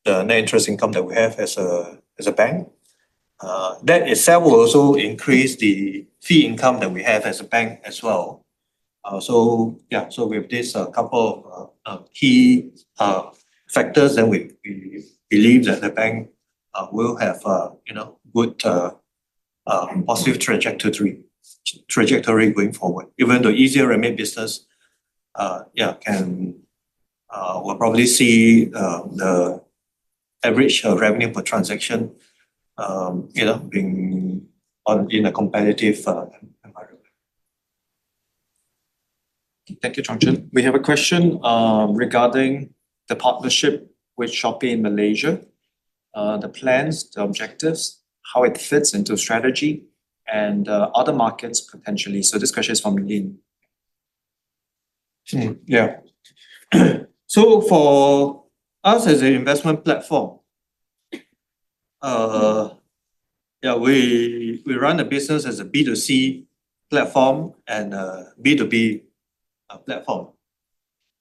net interest income that we have as a bank. That itself will also increase the fee income that we have as a bank as well. With these couple of key factors, we believe that the bank will have a good positive trajectory going forward. Even the easy remit business can, we'll probably see the. Average revenue per transaction, being in a competitive environment. Thank you, Chung Chun. We have a question regarding the partnership with Shopee in Malaysia: the plans, the objectives, how it fits into strategy, and other markets potentially. This question is from Lin. For us as an investment platform, we run a business as a B2C platform and a B2B platform.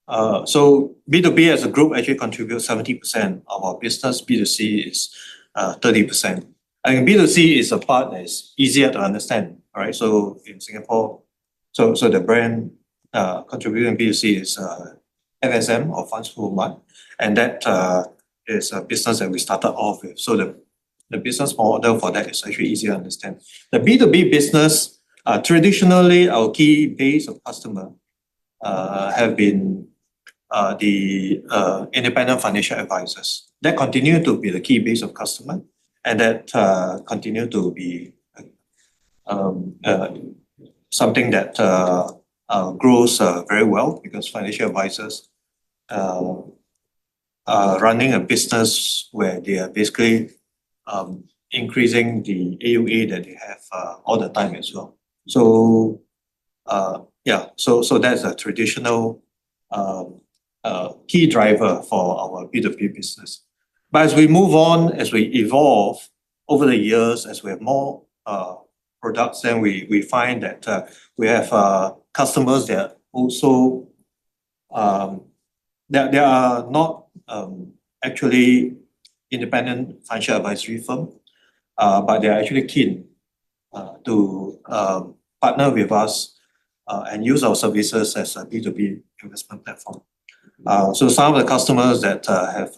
B2B as a group actually contributes 70% of our business. B2C is 30%. B2C is a part that is easier to understand, right? In Singapore, the brand contributing B2C is FSM or Funds for Woman, and that is a business that we started off with. The business model for that is actually easier to understand. The B2B business, traditionally, our key base of customers have been the independent financial advisors. That continues to be the key base of customers, and that continues to be something that grows very well because financial advisors are running a business where they are basically increasing the AUA that they have all the time as well. That is a traditional key driver for our B2B business. As we move on, as we evolve over the years, as we have more products, then we find that we have customers that also are not actually independent financial advisory firms, but they are actually keen to partner with us and use our services as a B2B investment platform. Some of the customers that have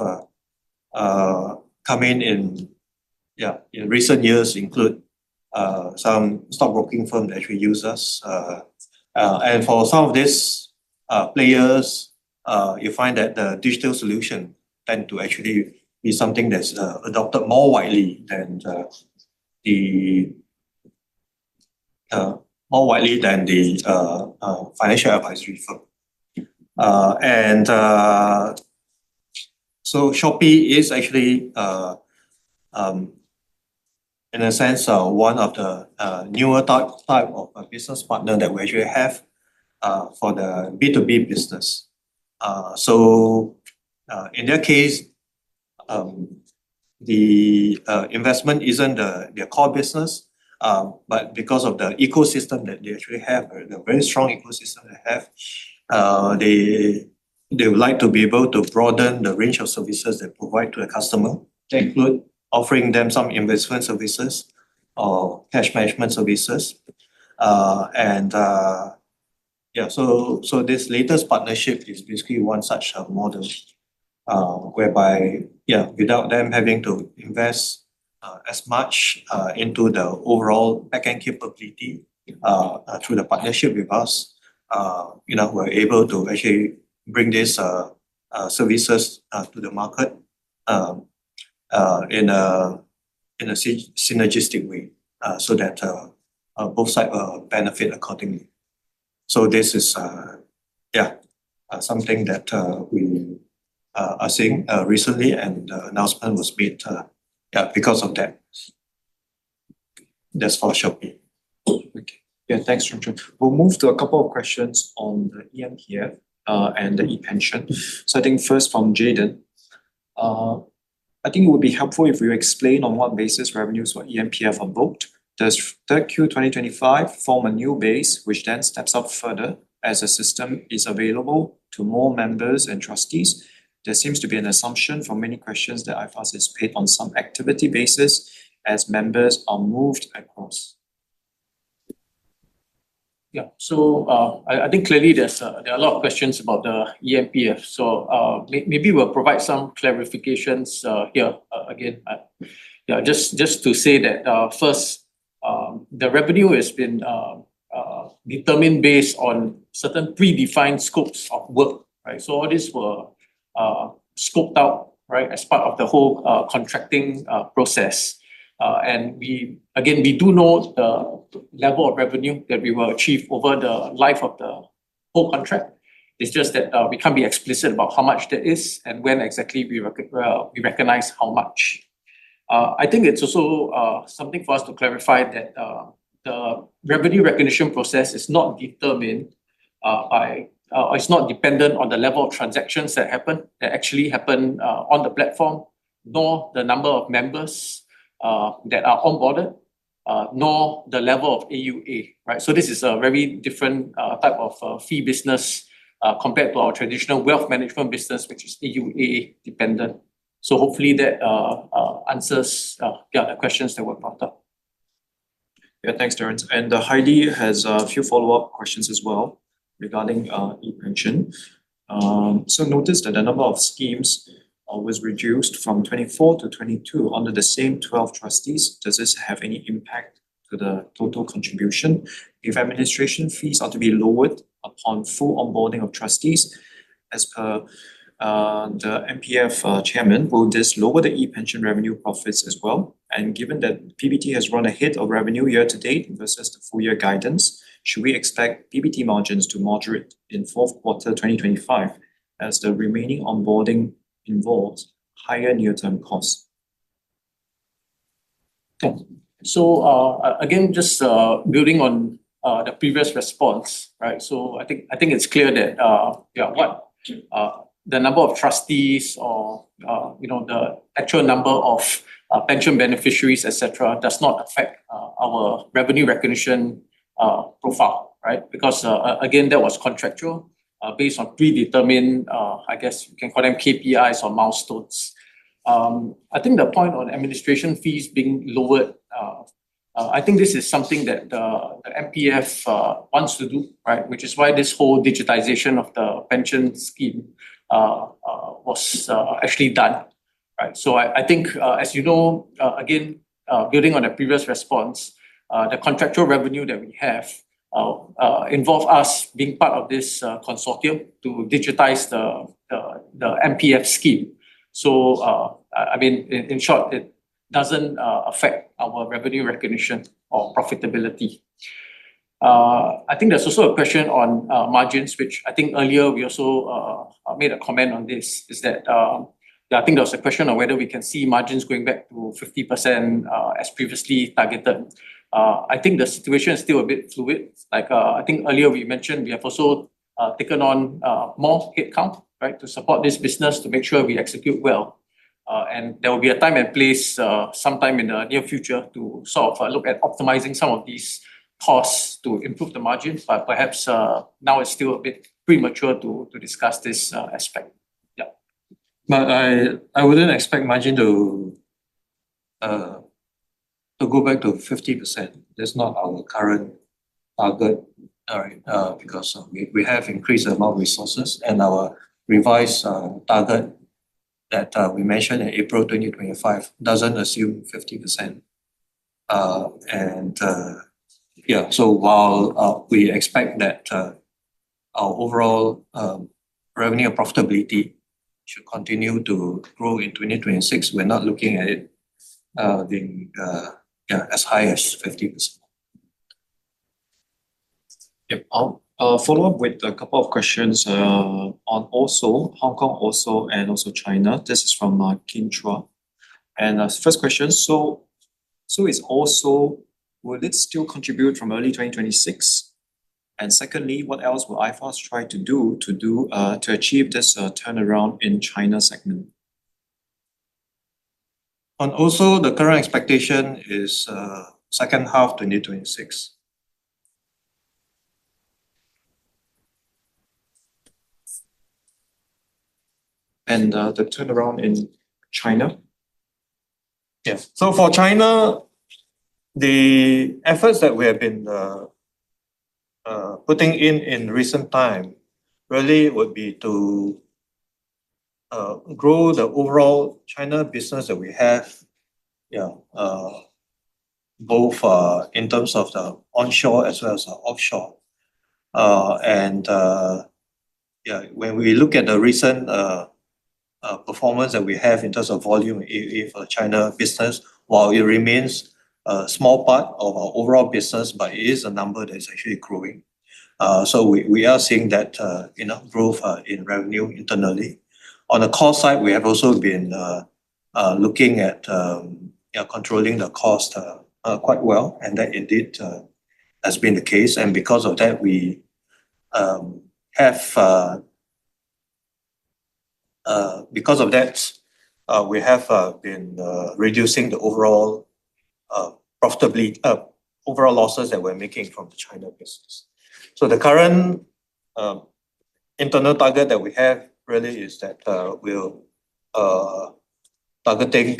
come in in recent years include some stockbroking firms that actually use us. For some of these players, you find that the digital solution tends to actually be something that's adopted more widely than the financial advisory firm. Shopee is actually, in a sense, one of the newer types of business partners that we actually have for the B2B business. In their case, the investment isn't their core business, but because of the ecosystem that they actually have, the very strong ecosystem they have, they would like to be able to broaden the range of services they provide to the customer, to include offering them some investment services or cash management services. This latest partnership is basically one such model whereby, without them having to invest as much into the overall backend capability, through the partnership with us, we're able to actually bring these services to the market in a synergistic way so that both sides benefit accordingly. This is something that we. Are seeing recently, and the announcement was made, yeah, because of that. That's for Shopee. Okay. Yeah, thanks, Chung Chun. We'll move to a couple of questions on the eMPF and the ePension. I think first from Jaden. I think it would be helpful if you explain on what basis revenues for eMPF are booked. Does Q2025 form a new base which then steps up further as the system is available to more members and trustees? There seems to be an assumption for many questions that iFAST is paid on some activity basis as members are moved across. Yeah. I think clearly there are a lot of questions about the eMPF. Maybe we'll provide some clarifications here. Again, yeah, just to say that first. The revenue has been determined based on certain predefined scopes of work, right? All these were scoped out as part of the whole contracting process. Again, we do know the level of revenue that we will achieve over the life of the whole contract. It's just that we can't be explicit about how much that is and when exactly we recognize how much. I think it's also something for us to clarify that the revenue recognition process is not determined by or is not dependent on the level of transactions that actually happen on the platform, nor the number of members that are onboarded, nor the level of AUA, right? This is a very different type of fee business compared to our traditional wealth management business, which is AUA dependent. Hopefully, that answers the questions that were brought up. Yeah, thanks, Terence. Heidi has a few follow-up questions as well regarding ePension. Notice that the number of schemes was reduced from 24-22 under the same 12 trustees. Does this have any impact to the total contribution? If administration fees are to be lowered upon full onboarding of trustees, as per the MPF chairman, will this lower the ePension revenue profits as well? Given that PBT has run ahead of revenue year to date versus the full year guidance, should we expect PBT margins to moderate in fourth quarter 2025 as the remaining onboarding involves higher near-term costs? Again, just building on the previous response, right? I think it's clear that the number of trustees or the actual number of pension beneficiaries, etc., does not affect our revenue recognition profile, right? Because, again, that was contractual based on predetermined, I guess you can call them KPIs or milestones. I think the point on administration fees being lowered, I think this is something that the MPF wants to do, right? Which is why this whole digitization of the pension scheme was actually done, right? I think, as you know, again, building on the previous response, the contractual revenue that we have involves us being part of this consortium to digitize the MPF scheme. In short, it doesn't affect our revenue recognition or profitability. I think there's also a question on margins, which I think earlier we also made a comment on this, is that I think there was a question of whether we can see margins going back to 50% as previously targeted. The situation is still a bit fluid. I think earlier we mentioned we have also taken on more headcount, right, to support this business to make sure we execute well. There will be a time and place sometime in the near future to sort of look at optimizing some of these costs to improve the margins. Perhaps now it's still a bit premature to discuss this aspect. Yeah. I wouldn't expect margin to go back to 50%. That's not our current target, right? Because we have increased the amount of resources, and our revised target that we mentioned in April 2025 doesn't assume 50%. While we expect that our overall revenue and profitability should continue to grow in 2026, we're not looking at it being as high as 50%. Yeah. I'll follow up with a couple of questions on also Hong Kong, also and also China. This is from Kim Chua. First question, so is also, will it still contribute from early 2026? Secondly, what else will iFAST try to do to achieve this turnaround in China segment? The current expectation is second half 2026 And the turnaround in China? Yeah. For China, the efforts that we have been putting in in recent time really would be to grow the overall China business that we have, yeah, both in terms of the onshore as well as the offshore. When we look at the recent performance that we have in terms of volume for China business, while it remains a small part of our overall business, it is a number that is actually growing. We are seeing that growth in revenue internally. On the cost side, we have also been looking at controlling the cost quite well, and that indeed has been the case. Because of that, we have been reducing the overall losses that we're making from the China business. The current internal target that we have really is that we're targeting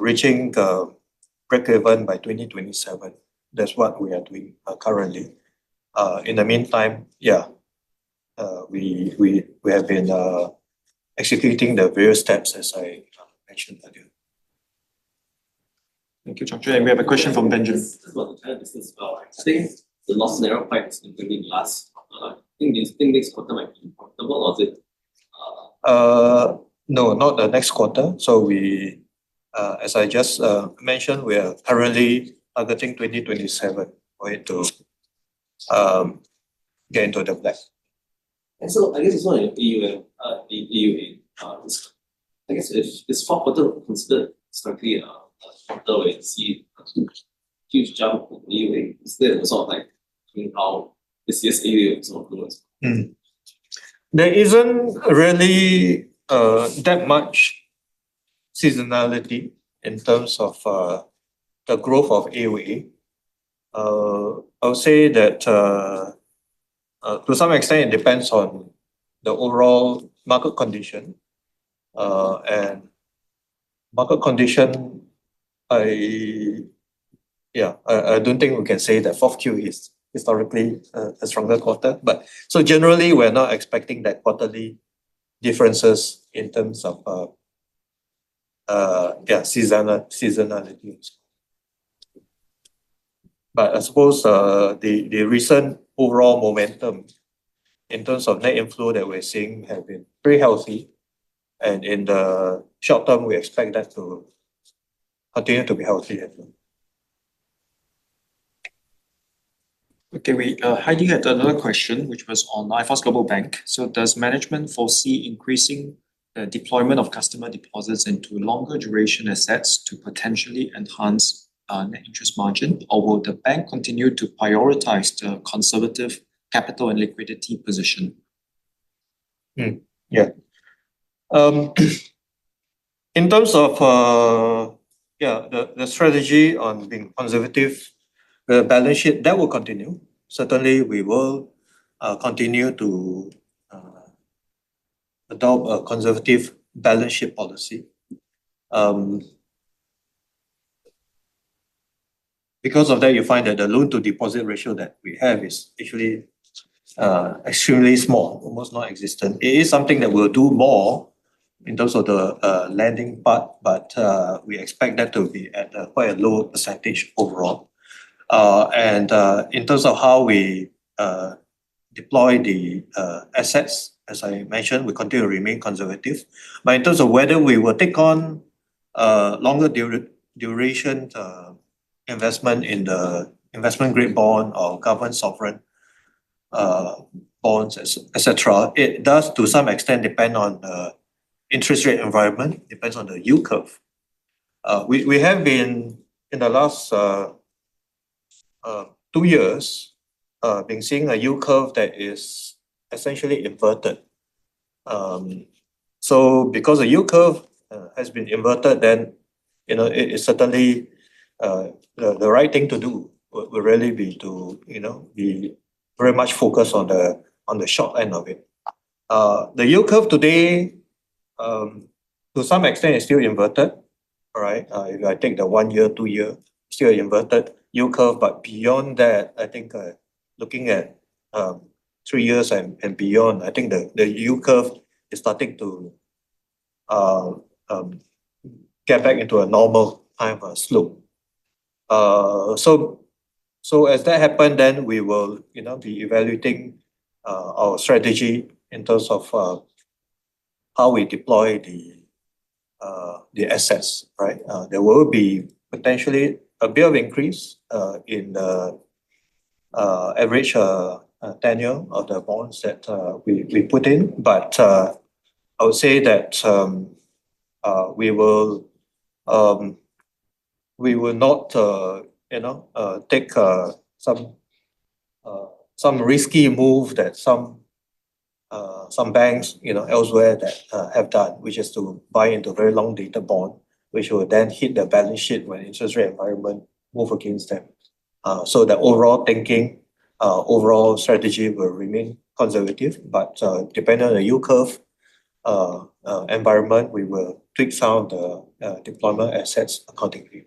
reaching breakeven by 2027. That's what we are doing currently. In the meantime, we have been executing the various steps as I mentioned earlier. Thank you, Chung Chun. We have a question from Benjamin. I think the last scenario part is completely last. I think this quarter might be profitable, or is it? No, not the next quarter. As I just mentioned, we are currently targeting 2027 for it to get into the black. I guess it's not an AUA. I guess this fourth quarter was considered strictly a quarter where you see a huge jump in AUA. Is there a sort of like how this year's AUA sort of looks? There isn't really that much seasonality in terms of the growth of AUA. I would say that to some extent, it depends on the overall market condition. Market condition, yeah, I don't think we can say that fourth Q is historically a stronger quarter. Generally, we're not expecting that quarterly differences in terms of seasonality as well. I suppose the recent overall momentum in terms of net inflow that we're seeing has been very healthy. In the short term, we expect that to continue to be healthy as well. Heidi had another question, which was on iFAST Global Bank. Does management foresee increasing the deployment of customer deposits into longer duration assets to potentially enhance net interest margin, or will the bank continue to prioritize the conservative capital and liquidity position? In terms of the strategy on being conservative, the balance sheet, that will continue. Certainly, we will continue to adopt a conservative balance sheet policy. Because of that, you find that the loan-to-deposit ratio that we have is actually extremely small, almost non-existent. It is something that we'll do more in terms of the lending part, but we expect that to be at quite a low % overall. In terms of how we deploy the assets, as I mentioned, we continue to remain conservative. In terms of whether we will take on longer duration investment in the investment-grade bond or government sovereign bonds, etc., it does to some extent depend on the interest rate environment, depends on the yield curve. We have been in the last two years seeing a yield curve that is essentially inverted. Because the yield curve has been inverted, the right thing to do would really be to. Be very much focused on the short end of it. The yield curve today, to some extent, is still inverted, right? If I take the one-year, two-year, still inverted yield curve. Beyond that, looking at three years and beyond, I think the yield curve is starting to get back into a normal kind of a slope. As that happens, we will be evaluating our strategy in terms of how we deploy the assets, right? There will be potentially a bit of increase in the average tenure of the bonds that we put in. I would say that we will not take some risky move that some banks elsewhere have done, which is to buy into very long-dated bond, which will then hit the balance sheet when the interest rate environment moves against them. The overall thinking, overall strategy will remain conservative. Depending on the yield curve environment, we will tweak some of the deployment assets accordingly.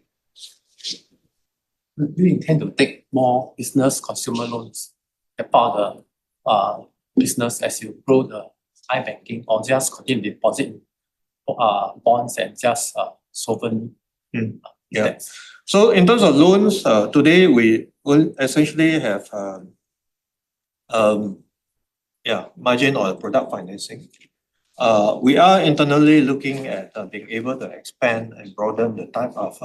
Do you intend to take more business consumer loans as part of the business as you grow the iBanking or just continue deposit, bonds, and just sovereign? In terms of loans, today, we essentially have margin or product financing. We are internally looking at being able to expand and broaden the type of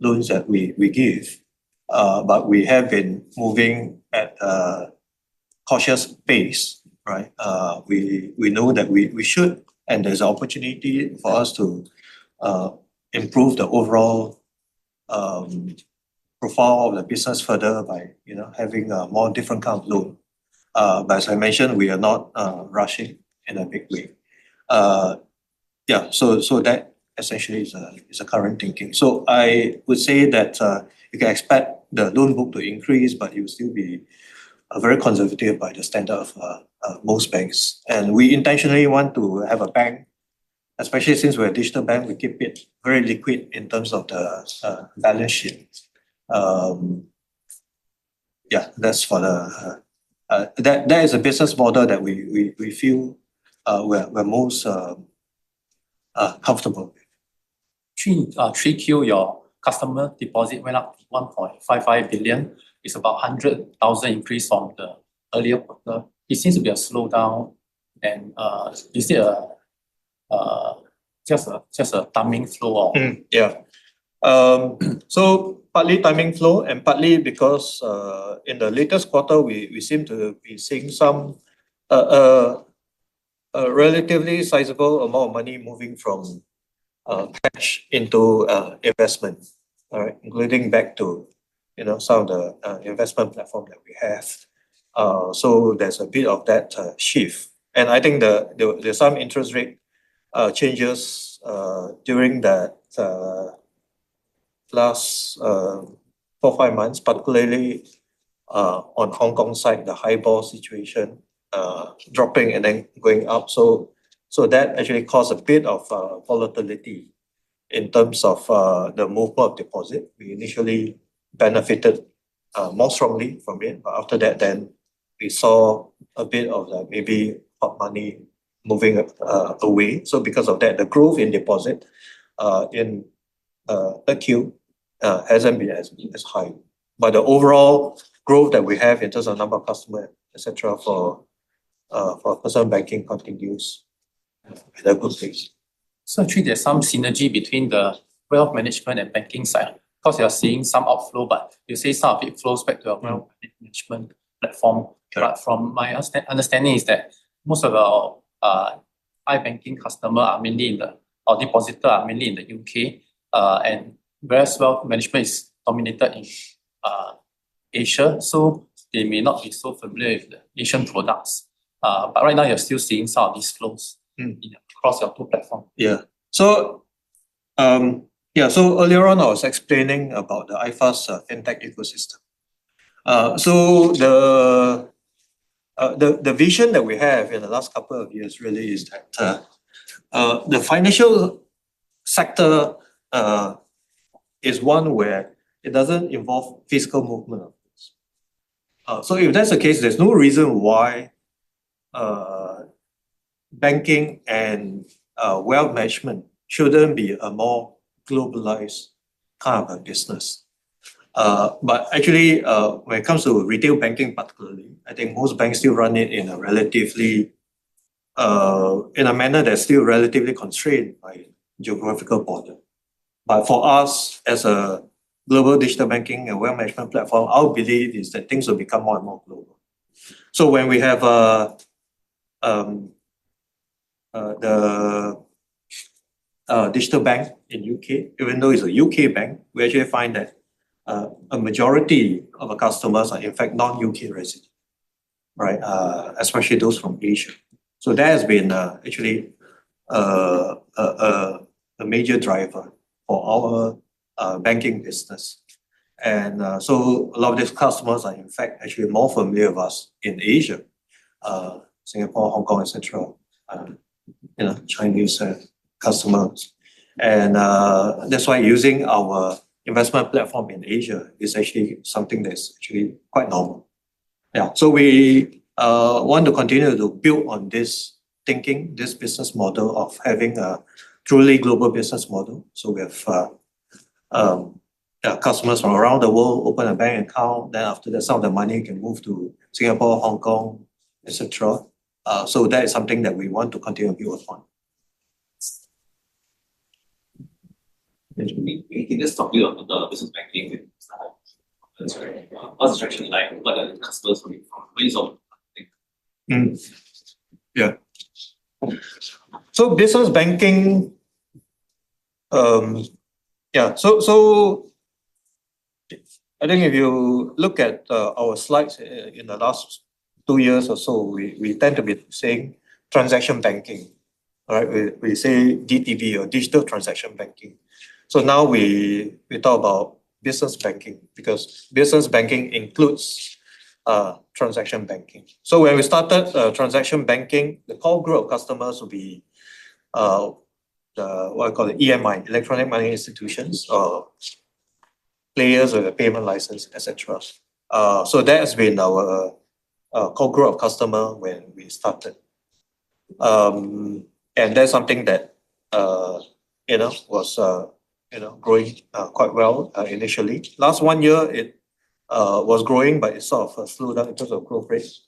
loans that we give. We have been moving at a cautious pace, right? We know that we should, and there's an opportunity for us to improve the overall profile of the business further by having a more different kind of loan. As I mentioned, we are not rushing in a big way. That essentially is the current thinking. I would say that you can expect the loan book to increase, but it will still be very conservative by the standard of most banks. We intentionally want to have a bank, especially since we're a digital bank, we keep it very liquid in terms of the balance sheet. That is a business model that we feel we're most comfortable with. Three Q, your customer deposit went up to $1.55 billion. It's about $100 million increased from the earlier quarter. It seems to be a slowdown. Is it just a timing flow or? Partly timing flow and partly because in the latest quarter, we seem to be seeing some relatively sizable amount of money moving from cash into investment, right? Including back to some of the investment platform that we have. There's a bit of that shift. I think. were some interest rate changes during the last four or five months, particularly on the Hong Kong side, the HIBOR situation dropping and then going up. That actually caused a bit of volatility in terms of the movement of deposit. We initially benefited more strongly from it, but after that, we saw a bit of maybe hot money moving away. Because of that, the growth in deposit in Q4 hasn't been as high. The overall growth that we have in terms of number of customers, etc., for personal banking continues in a good place. Actually, there's some synergy between the wealth management and banking side. Of course, you're seeing some outflow, but you say some of it flows back to our Core Wealth Management platform. From my understanding, most of our iFAST Global Bank customers are mainly depositors in the U.K., and wealth management is dominated in Asia. They may not be so familiar with the Asian products. Right now, you're still seeing some of these flows across your two platforms. Earlier on, I was explaining about the iFAST FinTech ecosystem. The vision that we have in the last couple of years really is that the financial sector is one where it doesn't involve physical movement. If that's the case, there's no reason why banking and wealth management shouldn't be a more globalized kind of a business. Actually, when it comes to retail banking particularly, I think most banks still run it in a manner that's still relatively constrained by geographical border. For us, as a global digital banking and wealth management platform, our belief is that things will become more and more global. When we have the digital bank in the U.K., even though it's a UK bank, we actually find that a majority of our customers are, in fact, non-U.K. residents, especially those from Asia. That has been actually a major driver for our banking business. A lot of these customers are, in fact, actually more familiar with us in Asia, Singapore, Hong Kong, etc. Chinese customers. That's why using our investment platform in Asia is actually something that's actually quite normal. We want to continue to build on this thinking, this business model of having a truly global business model. We have customers from around the world open a bank account. After that, some of the money can move to Singapore, Hong Kong, etc. That is something that we want to continue to build upon. We can just talk a bit about business banking. What's the direction like? What are the customers coming from? What is your thinking? Yeah. So business banking. I think if you look at our slides in the last two years or so, we tend to be saying transaction banking. We say DTB or digital transaction banking. Now we talk about business banking because business banking includes transaction banking. When we started transaction banking, the core group of customers would be what we call the EMI, Electronic Money Institutions, or players with a payment license, etc. That has been our core group of customers when we started, and that's something that was growing quite well initially. Last one year, it was growing, but it sort of slowed down in terms of growth rates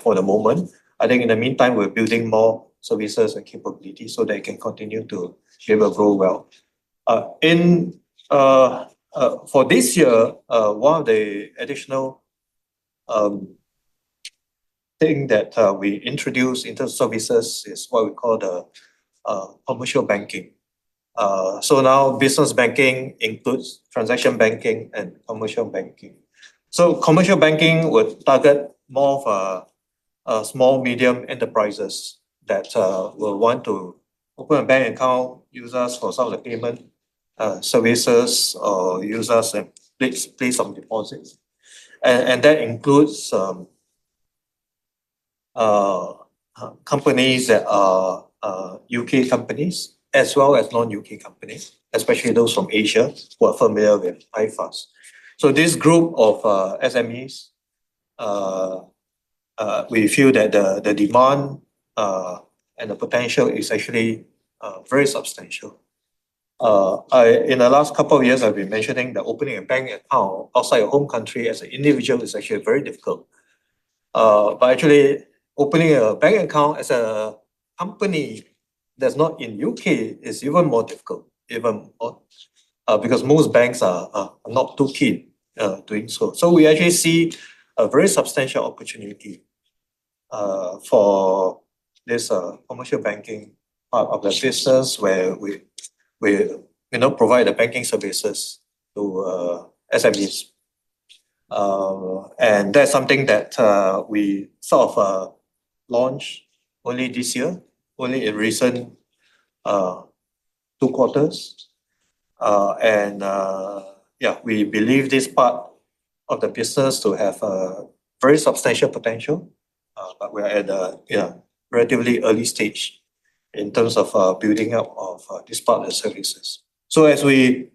for the moment. I think in the meantime, we're building more services and capabilities so that it can continue to be able to grow well. For this year, one of the additional things that we introduced in terms of services is what we call the commercial banking. Now business banking includes transaction banking and commercial banking. Commercial banking would target more of small, medium enterprises that will want to open a bank account, use us for some of the payment services, or use us and place some deposits. That includes companies that are U.K. companies as well as non-U.K. companies, especially those from Asia who are familiar with iFAST. This group of SMEs, we feel that the demand and the potential is actually very substantial. In the last couple of years, I've been mentioning that opening a bank account outside your home country as an individual is actually very difficult. Actually, opening a bank account as a company that's not in the U.K. is even more difficult, even because most banks are not too keen doing so. We actually see a very substantial opportunity for this commercial banking part of the business where we provide the banking services to SMEs. That's something that we sort of launched only this year, only in recent two quarters. We believe this part of the business to have a very substantial potential, but we are at a relatively early stage in terms of building up this part of the services. As we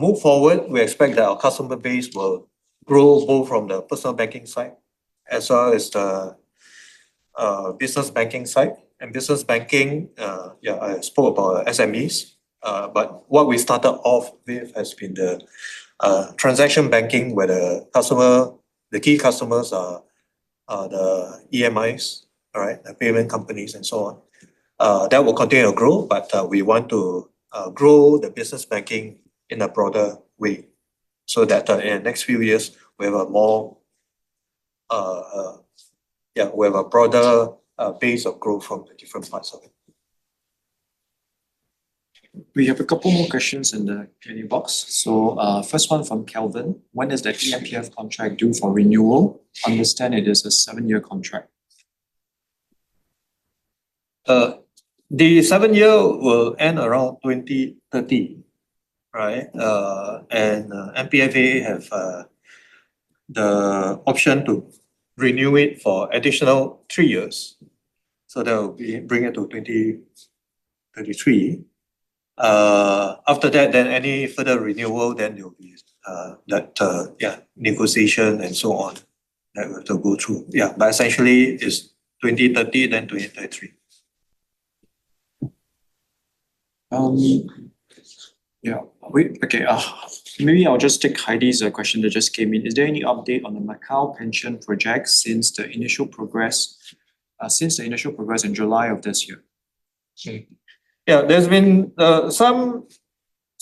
move forward, we expect that our customer base will grow both from the personal banking side as well as the business banking side. Business banking, I spoke about SMEs, but what we started off with has been the transaction banking where the key customers are the EMIs, the payment companies, and so on. That will continue to grow, but we want to grow the business banking in a broader way so that in the next few years, we have a broader base of growth from the different parts of it. We have a couple more questions in the Q&A box. The first one from Kelvin: When is the eMPF contract due for renewal? Understand it is a seven-year contract. The seven-year will end around 2030. MPFA has the option to renew it for an additional three years, so that will bring it to 2033. After that, any further renewal, there will be that negotiation and so on that we have to go through. Yeah, but essentially, it's 2030, then 2033. Yeah. Okay. Maybe I'll just take Heidi's question that just came in. Is there any update on the Macau pension project since the initial progress in July of this year? Yeah. There's been some.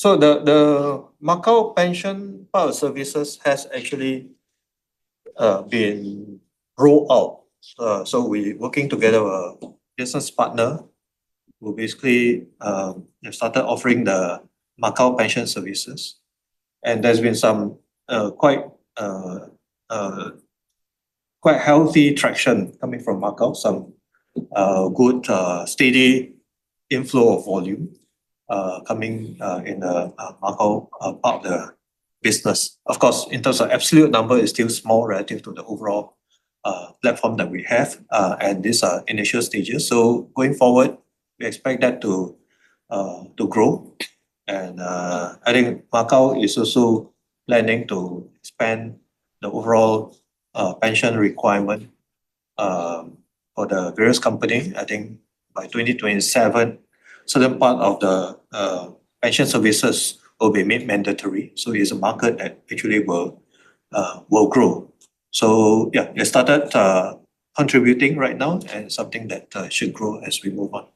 The Macau pension part of services has actually been rolled out. We're working together with a business partner who basically started offering the Macau pension services. There's been some quite healthy traction coming from Macau, some good steady inflow of volume coming in the Macau part of the business. Of course, in terms of absolute number, it's still small relative to the overall platform that we have, and these are initial stages. Going forward, we expect that to grow. I think Macau is also planning to expand the overall pension requirement for the various companies. I think by 2027, a certain part of the pension services will be made mandatory. It's a market that actually will grow. They started contributing right now and something that should grow as we move on.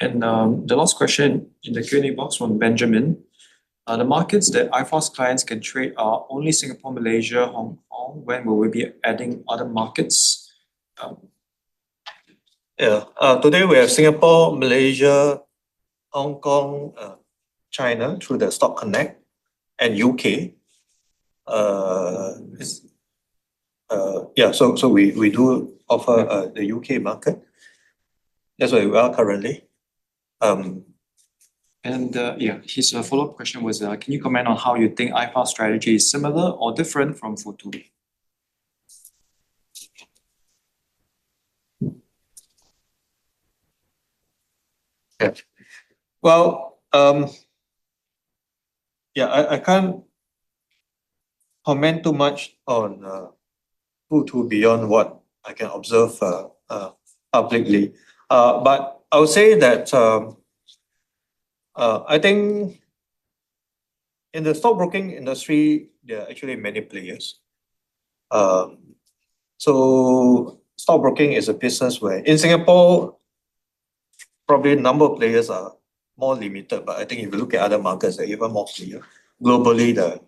The last question in the Q&A box from Benjamin. The markets that iFAST clients can trade are only Singapore, Malaysia, Hong Kong. When will we be adding other markets? Yeah. Today, we have Singapore, Malaysia, Hong Kong, China through the Stock Connect, and U.K. Yeah. So we do offer the U.K. market. That's where we are currently. His follow-up question was, can you comment on how you think iFAST strategy is similar or different from Fortune? Yeah, I can't comment too much on Fortune beyond what I can observe publicly. I would say that I think in the stockbroking industry, there are actually many players. Stockbroking is a business where in Singapore, probably a number of players are more limited, but I think if you look at other markets, they're even more clear. Globally, there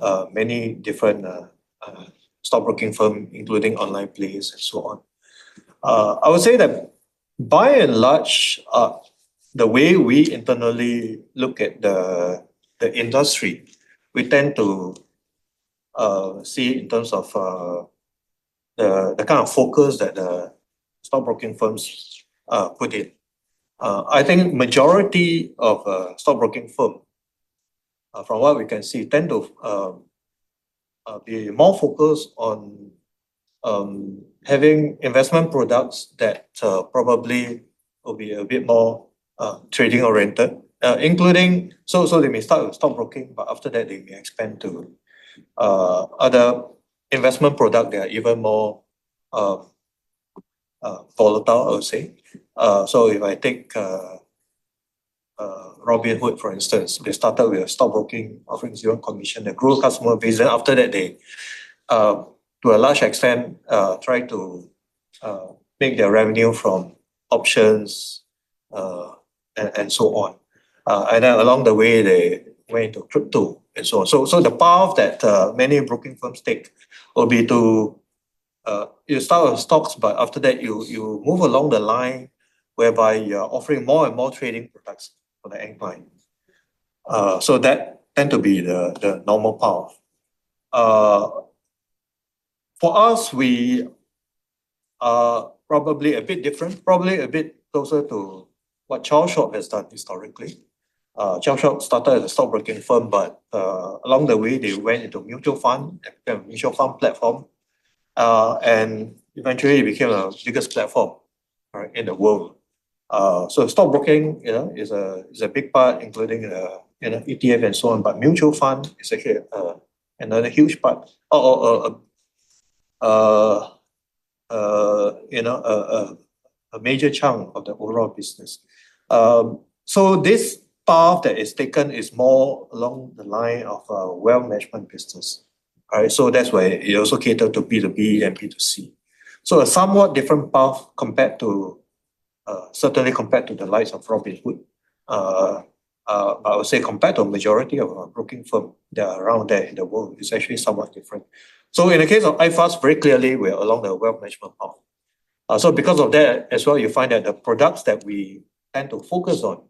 are many different stockbroking firms, including online plays and so on. I would say that by and large, the way we internally look at the industry, we tend to see in terms of the kind of focus that the stockbroking firms put in. I think the majority of stockbroking firms from what we can see tend to be more focused on having investment products that probably will be a bit more trading-oriented. They may start with stockbroking, but after that, they may expand to other investment products that are even more volatile, I would say. If I take Robinhood, for instance, they started with a stockbroking offering zero commission, a growth customer base. After that, they, to a large extent, try to make their revenue from options and so on. Along the way, they went into crypto and so on. The path that many broking firms take will be to start with stocks, but after that, you move along the line whereby you're offering more and more trading products for the end client. That tends to be the normal path. For us, we are probably a bit different, probably a bit closer to what Charles Schwab has done historically. Charles Schwab started as a stockbroking firm, but along the way, they went into mutual fund and became a mutual fund platform. Eventually, it became the biggest platform in the world. Stockbroking is a big part, including an ETF and so on, but mutual fund is actually another huge part, a major chunk of the overall business. This path that is taken is more along the line of a wealth management business. That's why it also caters to B2B and B2C, so a somewhat different path compared to, certainly compared to the likes of Robinhood. I would say compared to the majority of broking firms that are around there in the world, it's actually somewhat different. In the case of iFAST, very clearly, we are along the wealth management path. Because of that as well, you find that the products that we tend to focus on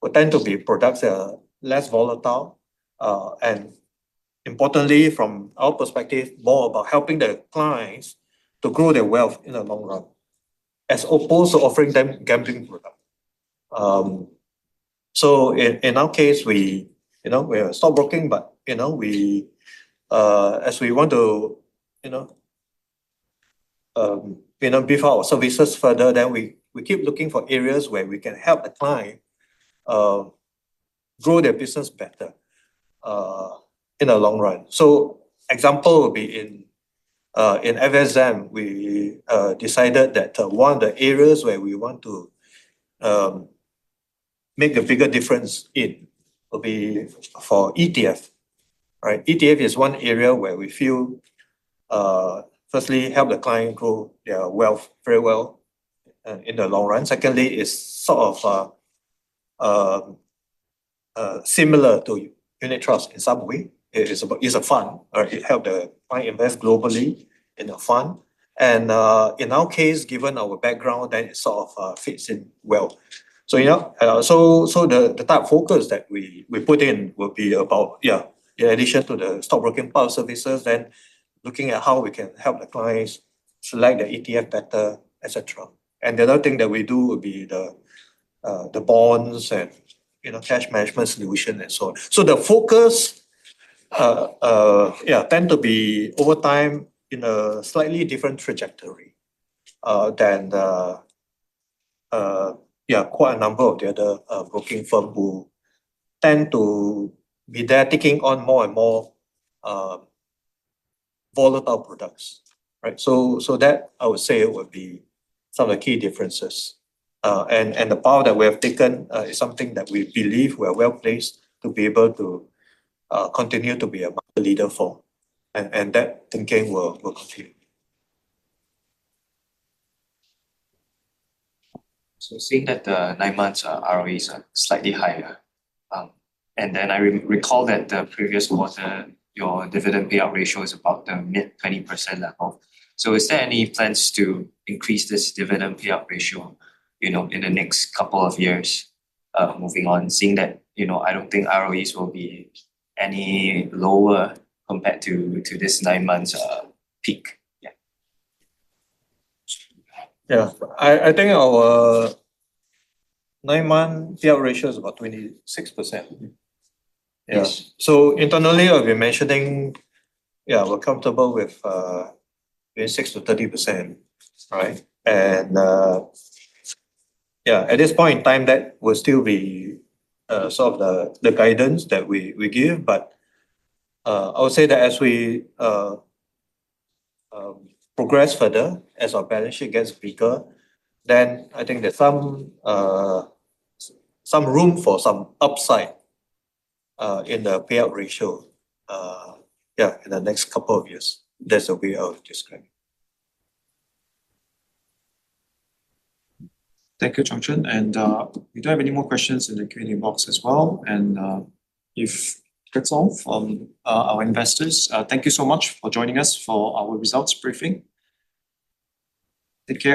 will tend to be products that are less volatile. Importantly, from our perspective, it's more about helping the clients to grow their wealth in the long run as opposed to offering them gambling products. In our case, we are stockbroking, but as we want to beef up our services further, we keep looking for areas where we can help the client grow their business better in the long run. An example would be in FSM, we decided that one of the areas where we want to make the bigger difference in will be for ETF. ETF is one area where we feel, firstly, helps the client grow their wealth very well in the long run. Secondly, it's sort of similar to unit trust in some way. It's a fund. It helps the client invest globally in a fund, and in our case, given our background, it sort of fits in well. The type of focus that we put in will be about, yeah, in addition to the stockbroking part of services, looking at how we can help the clients select the ETF better, etc. The other thing that we do will be the bonds and cash management solution and so on. The focus tends to be over time in a slightly different trajectory than quite a number of the other broking firms who tend to be there taking on more and more volatile products. That, I would say, would be some of the key differences. The path that we have taken is something that we believe we are well placed to be able to continue to be a market leader for, and that thinking will continue. Seeing that the nine month ROEs are slightly higher, I recall that the previous quarter, your dividend payout ratio is about the mid-20% level. Is there any plans to increase this dividend payout ratio in the next couple of years? Moving on, seeing that I don't think ROEs will be any lower compared to this nine-month peak. Yeah. I think our nine-month payout ratio is about 26%. Yes. Internally, we're mentioning we're comfortable with 26%-30%. At this point in time, that will still be sort of the guidance that we give. I would say that as we progress further, as our balance sheet gets bigger, then I think there's some room for some upside in the payout ratio in the next couple of years. That's the way I would describe it. Thank you, Chung Chun. If you don't have any more questions in the Q&A box as well, and if that's all from our investors, thank you so much for joining us for our results briefing. Take care.